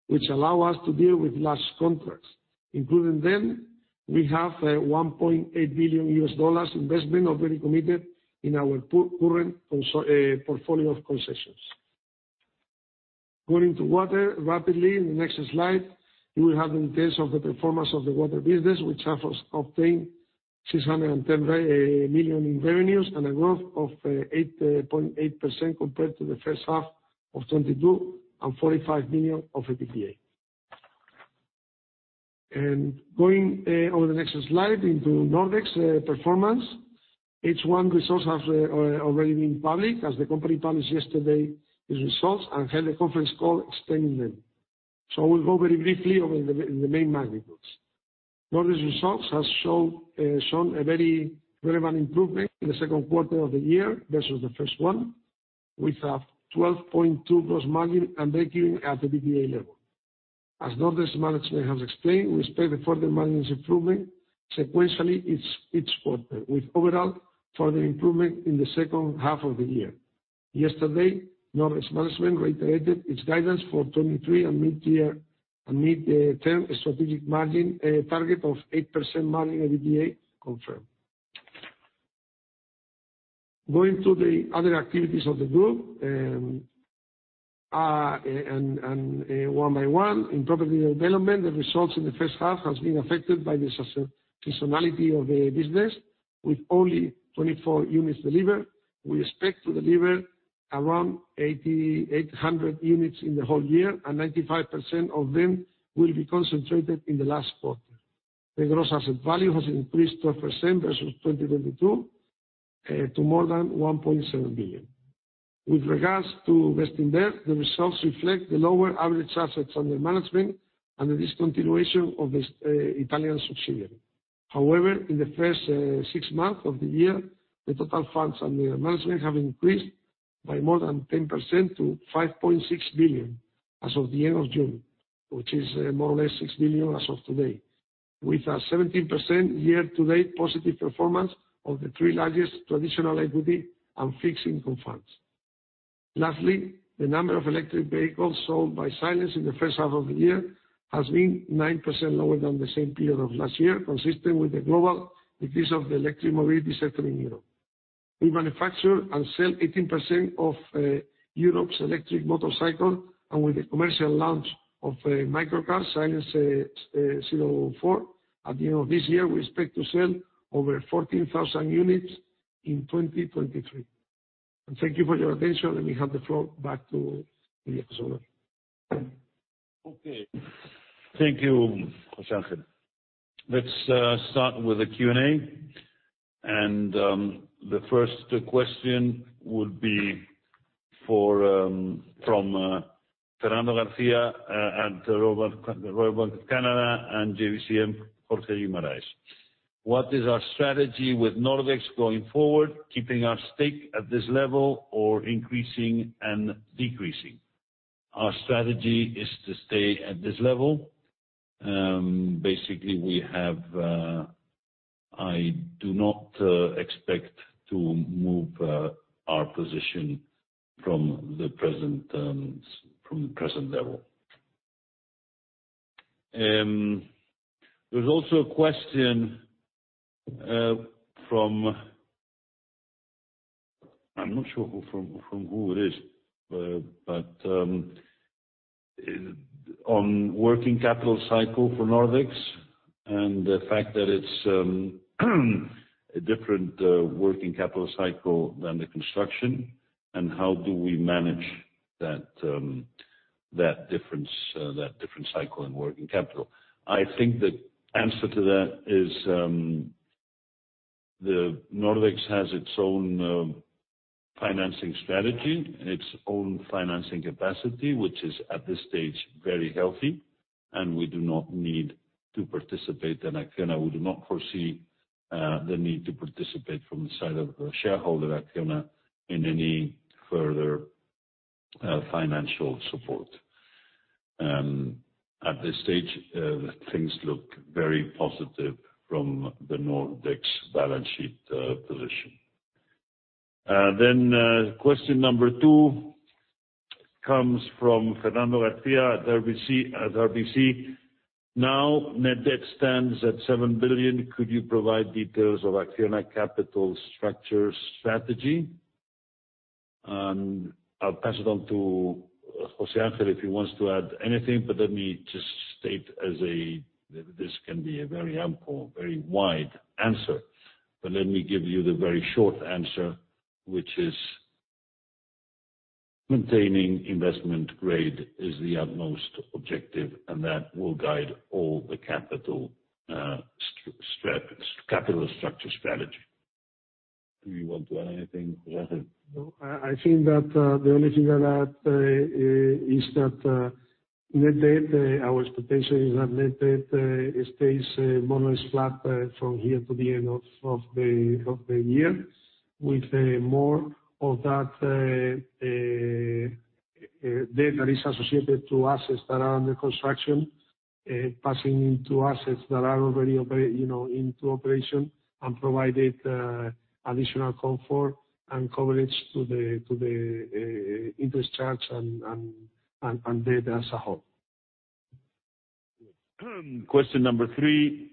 which allow us to deal with large contracts. Including them, we have $1.8 billion investment already committed in our current portfolio of concessions. Going to water, rapidly, in the next slide, you will have an taste of the performance of the water business, which has obtained 610 million in revenues and a growth of 8.8% compared to the first half of 2022, and 45 million of EBITDA. Going on the next slide into Nordex performance. H1 results have already been public, as the company published yesterday its results and held a conference call explaining them. I will go very briefly over the main magnitudes. Nordex results has showed a very relevant improvement in the Q2 of the year versus the first one, with a 12.2 gross margin and recurring at the EBITDA level. As Nordex management has explained, we expect a further margins improvement sequentially each, each quarter, with overall further improvement in the second half of the year. Yesterday, Nordex management reiterated its guidance for 2023 and mid-year and mid-term strategic margin target of 8% margin EBITDA confirmed. Going to the other activities of the group, one by one. In property development, the results in the first half has been affected by the seasonality of the business, with only 24 units delivered. We expect to deliver around 8,800 units in the whole year, and 95% of them will be concentrated in the last quarter. The gross asset value has increased 12% versus 2022 to more than 1.7 billion. With regards to investing there, the results reflect the lower average assets under management and the discontinuation of the Italian subsidiary. In the first six months of the year, the total funds under management have increased by more than 10% to 5.6 billion as of the end of June, which is more or less 6 billion as of today, with a 17% year-to-date positive performance of the three largest traditional equity and fixed income funds. Lastly, the number of electric vehicles sold by Silence in the first half of the year has been 9% lower than the same period of last year, consistent with the global decrease of the electric mobility sector in Europe. We manufacture and sell 18% of Europe's electric motorcycle, and with the commercial launch of a microcar, Silence Zero Four, at the end of this year, we expect to sell over 14,000 units in 2023. Thank you for your attention. Let me hand the floor back to the Jose Manuel. Okay. Thank you, Jose Angel. Let's start with the Q&A. The first question will be for from Fernando Garcia at the Royal Bank, Royal Bank of Canada and JVCM, Jorge Limares: What is our strategy with Nordex going forward, keeping our stake at this level or increasing and decreasing? Our strategy is to stay at this level. Basically, we have... I do not expect to move our position from the present terms, from the present level.... There's also a question from, I'm not sure who from, from who it is, but, but on working capital cycle for Nordex, and the fact that it's a different working capital cycle than the construction, and how do we manage that that difference that different cycle in working capital? I think the answer to that is, the Nordex has its own financing strategy and its own financing capacity, which is, at this stage, very healthy, and we do not need to participate in Acciona. We do not foresee the need to participate from the side of the shareholder, Acciona, in any further financial support. At this stage, things look very positive from the Nordex balance sheet position. Question number two comes from Fernando Garcia at RBC, at RBC. Now, net debt stands at 7 billion. Could you provide details of Acciona capital structure strategy? I'll pass it on to José Ángel, if he wants to add anything, but let me just state as a, this can be a very ample, very wide answer. Let me give you the very short answer, which is maintaining investment grade is the utmost objective, and that will guide all the capital structure strategy. Do you want to add anything, José? No, I, I think that, the only thing I'd add, is that, net debt, our expectation is that net debt, stays more or less flat, from here to the end of, of the, of the year. With, more of that, debt that is associated to assets that are under construction, passing into assets that are already You know, into operation, and provided, additional comfort and coverage to the, to the, interest charge and, and, and, and debt as a whole. Question number 3,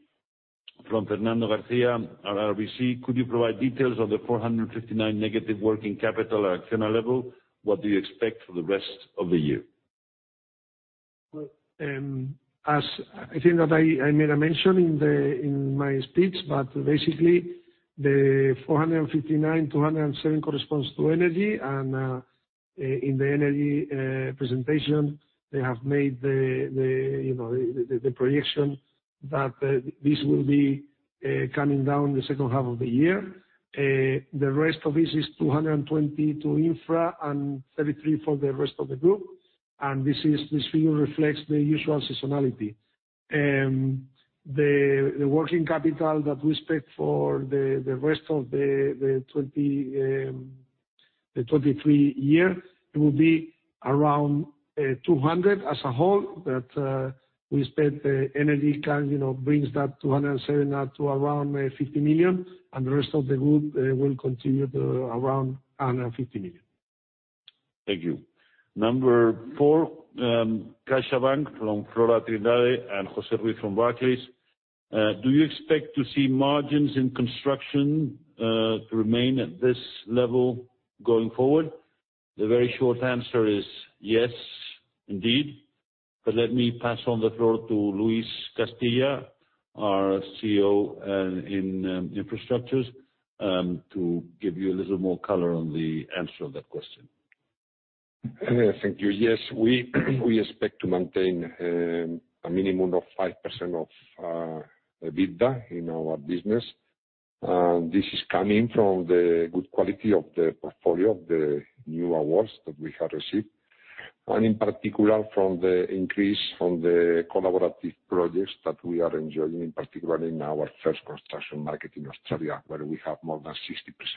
from Fernando Garcia at RBC: Could you provide details of the 459 negative working capital at Acciona level? What do you expect for the rest of the year? As I think that I, I made a mention in my speech, but basically 459.207 million corresponds to energy. In the energy presentation, they have made the, you know, the projection that this will be coming down the second half of the year. The rest of this is 220 million to infra and 33 million for the rest of the group, and this figure reflects the usual seasonality. The working capital that we expect for the rest of the 2023 year, it will be around 200 million as a whole. We expect the energy current, you know, brings that 207 up to around, 50 million, and the rest of the group, will continue to around 150 million. Thank you. Number 4, CaixaBank, from Filipe Trindade and José Ruiz from Barclays. Do you expect to see margins in construction to remain at this level going forward? The very short answer is yes, indeed. Let me pass on the floor to Luis Castilla, our CEO, in Infrastructures, to give you a little more color on the answer of that question. Thank you. Yes, we, we expect to maintain, a minimum of 5% of EBITDA in our business. This is coming from the good quality of the portfolio, of the new awards that we have received, and in particular, from the increase from the collaborative projects that we are enjoying, in particular in our first construction market in Australia, where we have more than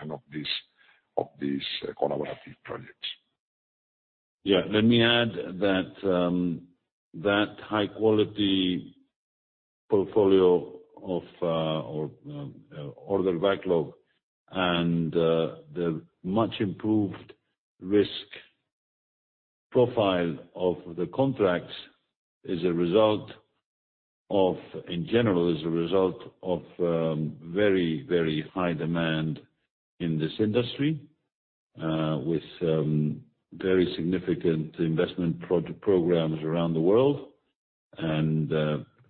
60% of these, of these collaborative projects. Yeah, let me add that, that high-quality portfolio of, or, order backlog and, the much improved risk profile of the contracts is a result of, in general, is a result of very, very high demand in this industry. With very significant investment project programs around the world, and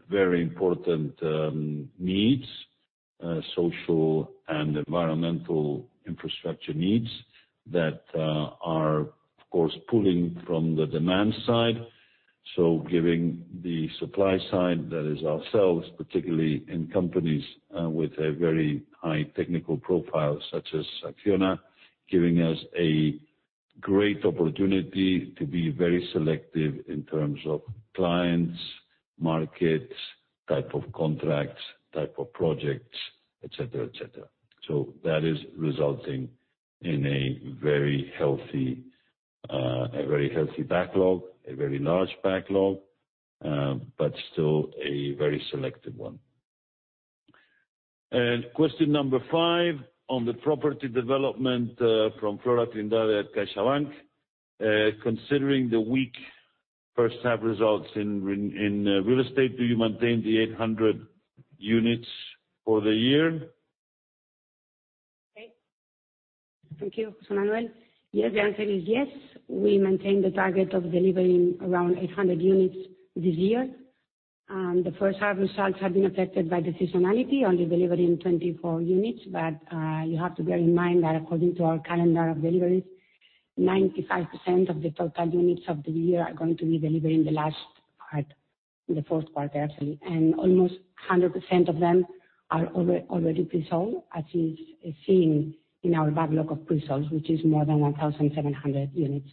very important needs, social and environmental infrastructure needs that are, of course, pulling from the demand side. Giving the supply side, that is ourselves, particularly in companies with a very high technical profile, such as Acciona, giving us a great opportunity to be very selective in terms of clients, markets, type of contracts, type of projects, et cetera, et cetera. That is resulting in a very healthy, a very healthy backlog, a very large backlog, but still a very selective one.... Question number five on the property development, from Flora Trindade at CaixaBank. Considering the weak first half results in, in, in, real estate, do you maintain the 800 units for the year? Okay. Thank you, José Manuel. Yes, the answer is yes. We maintain the target of delivering around 800 units this year. The first half results have been affected by the seasonality, only delivering 24 units. You have to bear in mind that according to our calendar of deliveries, 95% of the total units of the year are going to be delivered in the last part, in the Q4, actually. Almost 100% of them are already, already presold, as is seen in our backlog of presales, which is more than 1,700 units.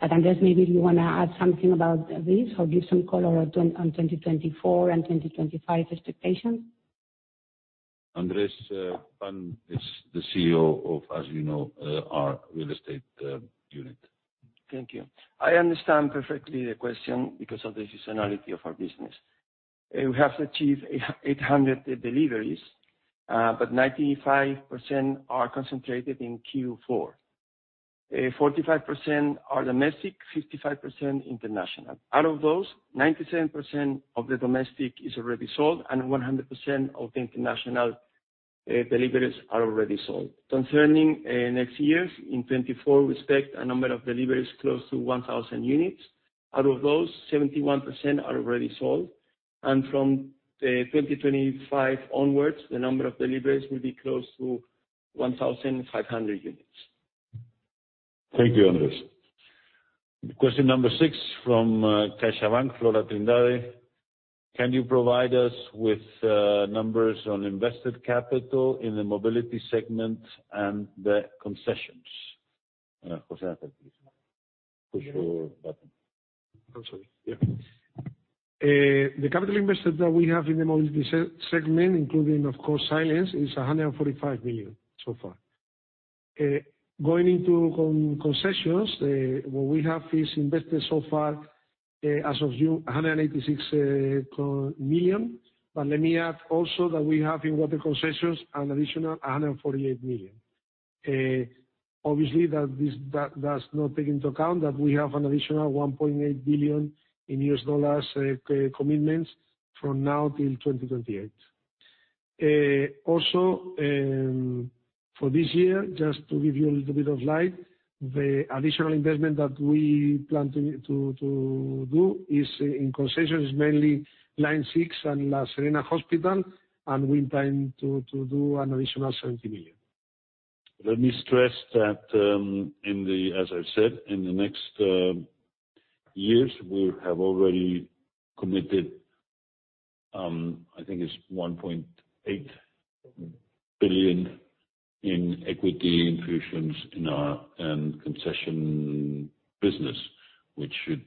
Andres, maybe you wanna add something about this or give some color on, on 2024 and 2025 expectations. Andres Pan is the CEO of, as you know, our real estate unit. Thank you. I understand perfectly the question because of the seasonality of our business. We have to achieve 8,800 deliveries, but 95% are concentrated in Q4. 45% are domestic, 55% international. Out of those, 97% of the domestic is already sold, and 100% of the international deliveries are already sold. Concerning next years, in 2024, we expect a number of deliveries close to 1,000 units. Out of those, 71% are already sold, and from 2025 onwards, the number of deliveries will be close to 1,500 units. Thank you, Andres. Question number 6 from, CaixaBank, Flora Trindade: Can you provide us with, numbers on invested capital in the mobility segment and the concessions? José, please. Push your button. I'm sorry. Yeah. The capital invested that we have in the mobility segment, including, of course, silence, is 145 million so far. Going into concessions, what we have is invested so far, as of June, 186 million. Let me add also that we have in water concessions an additional 148 million. Obviously, that does not take into account that we have an additional $1.8 billion in US dollars commitments from now till 2028. Also, for this year, just to give you a little bit of light, the additional investment that we plan to do is in concessions, mainly Line 6 and La Serena Hospital, and we intend to do an additional 70 million. Let me stress that, in the, as I've said, in the next years, we have already committed 1.8 billion in equity infusions in our concession business, which should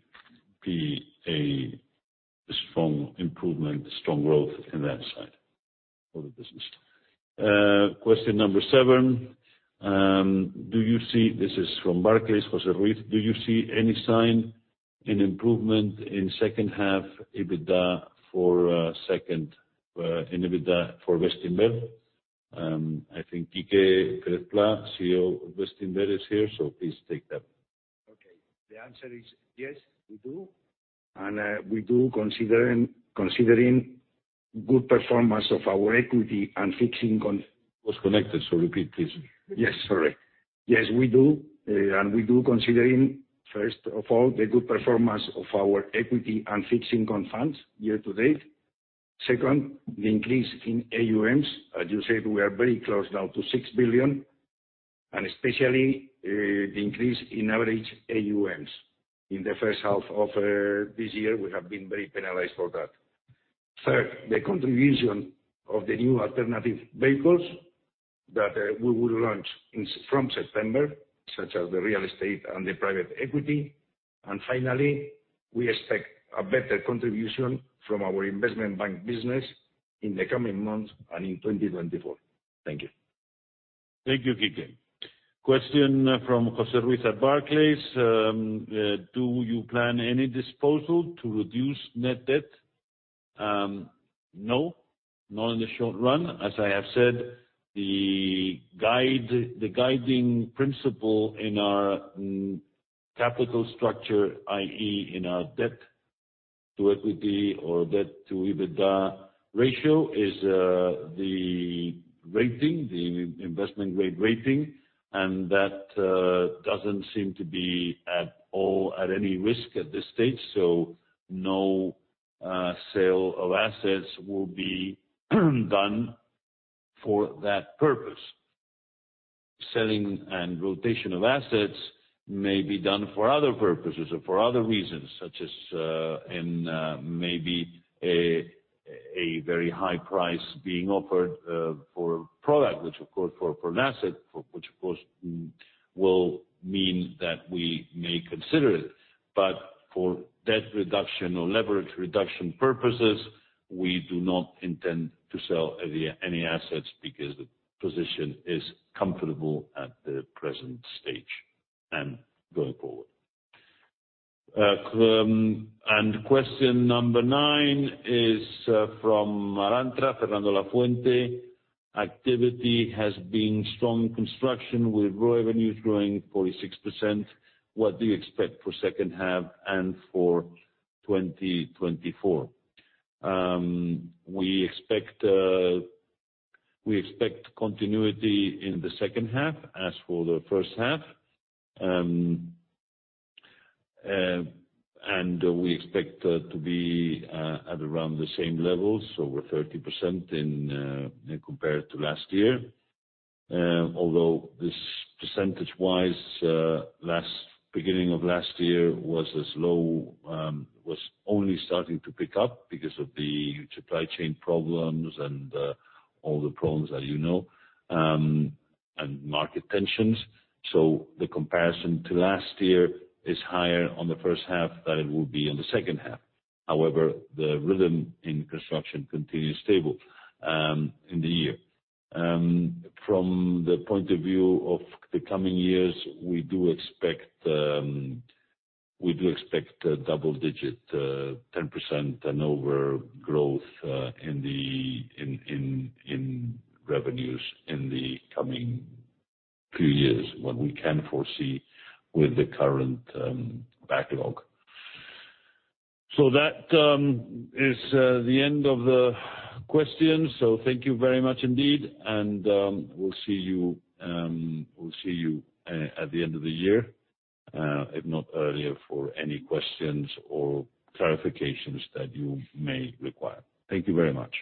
be a strong improvement, a strong growth in that side of the business. Question number seven: Do you see... This is from Barclays, José Ruiz. Do you see any sign, an improvement in second half, EBITDA for in EBITDA for Westinver? I think Quique Cerdá, CEO of Westinver, is here, so please take that. Okay. The answer is yes, we do, and, we do, considering, considering good performance of our equity and fixing con- Was connected, so repeat, please. Yes, sorry. Yes, we do, and we do, considering, first of all, the good performance of our equity and fixing confounds year-to-date. Second, the increase in AUMs. As you said, we are very close now to 6 billion, and especially, the increase in average AUMs. In the first half of this year, we have been very penalized for that. Third, the contribution of the new alternative vehicles that we will launch in, from September, such as the real estate and the private equity. Finally, we expect a better contribution from our investment bank business in the coming months and in 2024. Thank you. Thank you, Quique. Question from Jose Ruiz at Barclays: Do you plan any disposal to reduce net debt? No, not in the short run. As I have said, the guiding principle in our capital structure, i.e., in our debt to equity or debt to EBITDA ratio, is the rating, the investment grade rating, and that doesn't seem to be at all, at any risk at this stage, so no sale of assets will be done for that purpose. Selling and rotation of assets may be done for other purposes or for other reasons, such as in maybe a very high price being offered for product, which of course for an asset, which of course will mean that we may consider it. For debt reduction or leverage reduction purposes, we do not intend to sell any, any assets because the position is comfortable at the present stage and going forward. Question number 9 is from Arantza, Fernando La Fuente: Activity has been strong construction, with raw revenues growing 46%. What do you expect for second half and for 2024? We expect continuity in the second half as for the first half. We expect to be at around the same levels, so over 30% in compared to last year. Although this percentagewise, last, beginning of last year was as low, was only starting to pick up because of the supply chain problems and all the problems that you know, and market tensions. The comparison to last year is higher on the first half than it will be on the second half. However, the rhythm in construction continues stable, in the year. From the point of view of the coming years, we do expect, we do expect a double digit, 10% and overgrowth, in revenues in the coming 2 years, what we can foresee with the current, backlog. That is the end of the questions. Thank you very much indeed, and we'll see you at the end of the year, if not earlier, for any questions or clarifications that you may require. Thank you very much.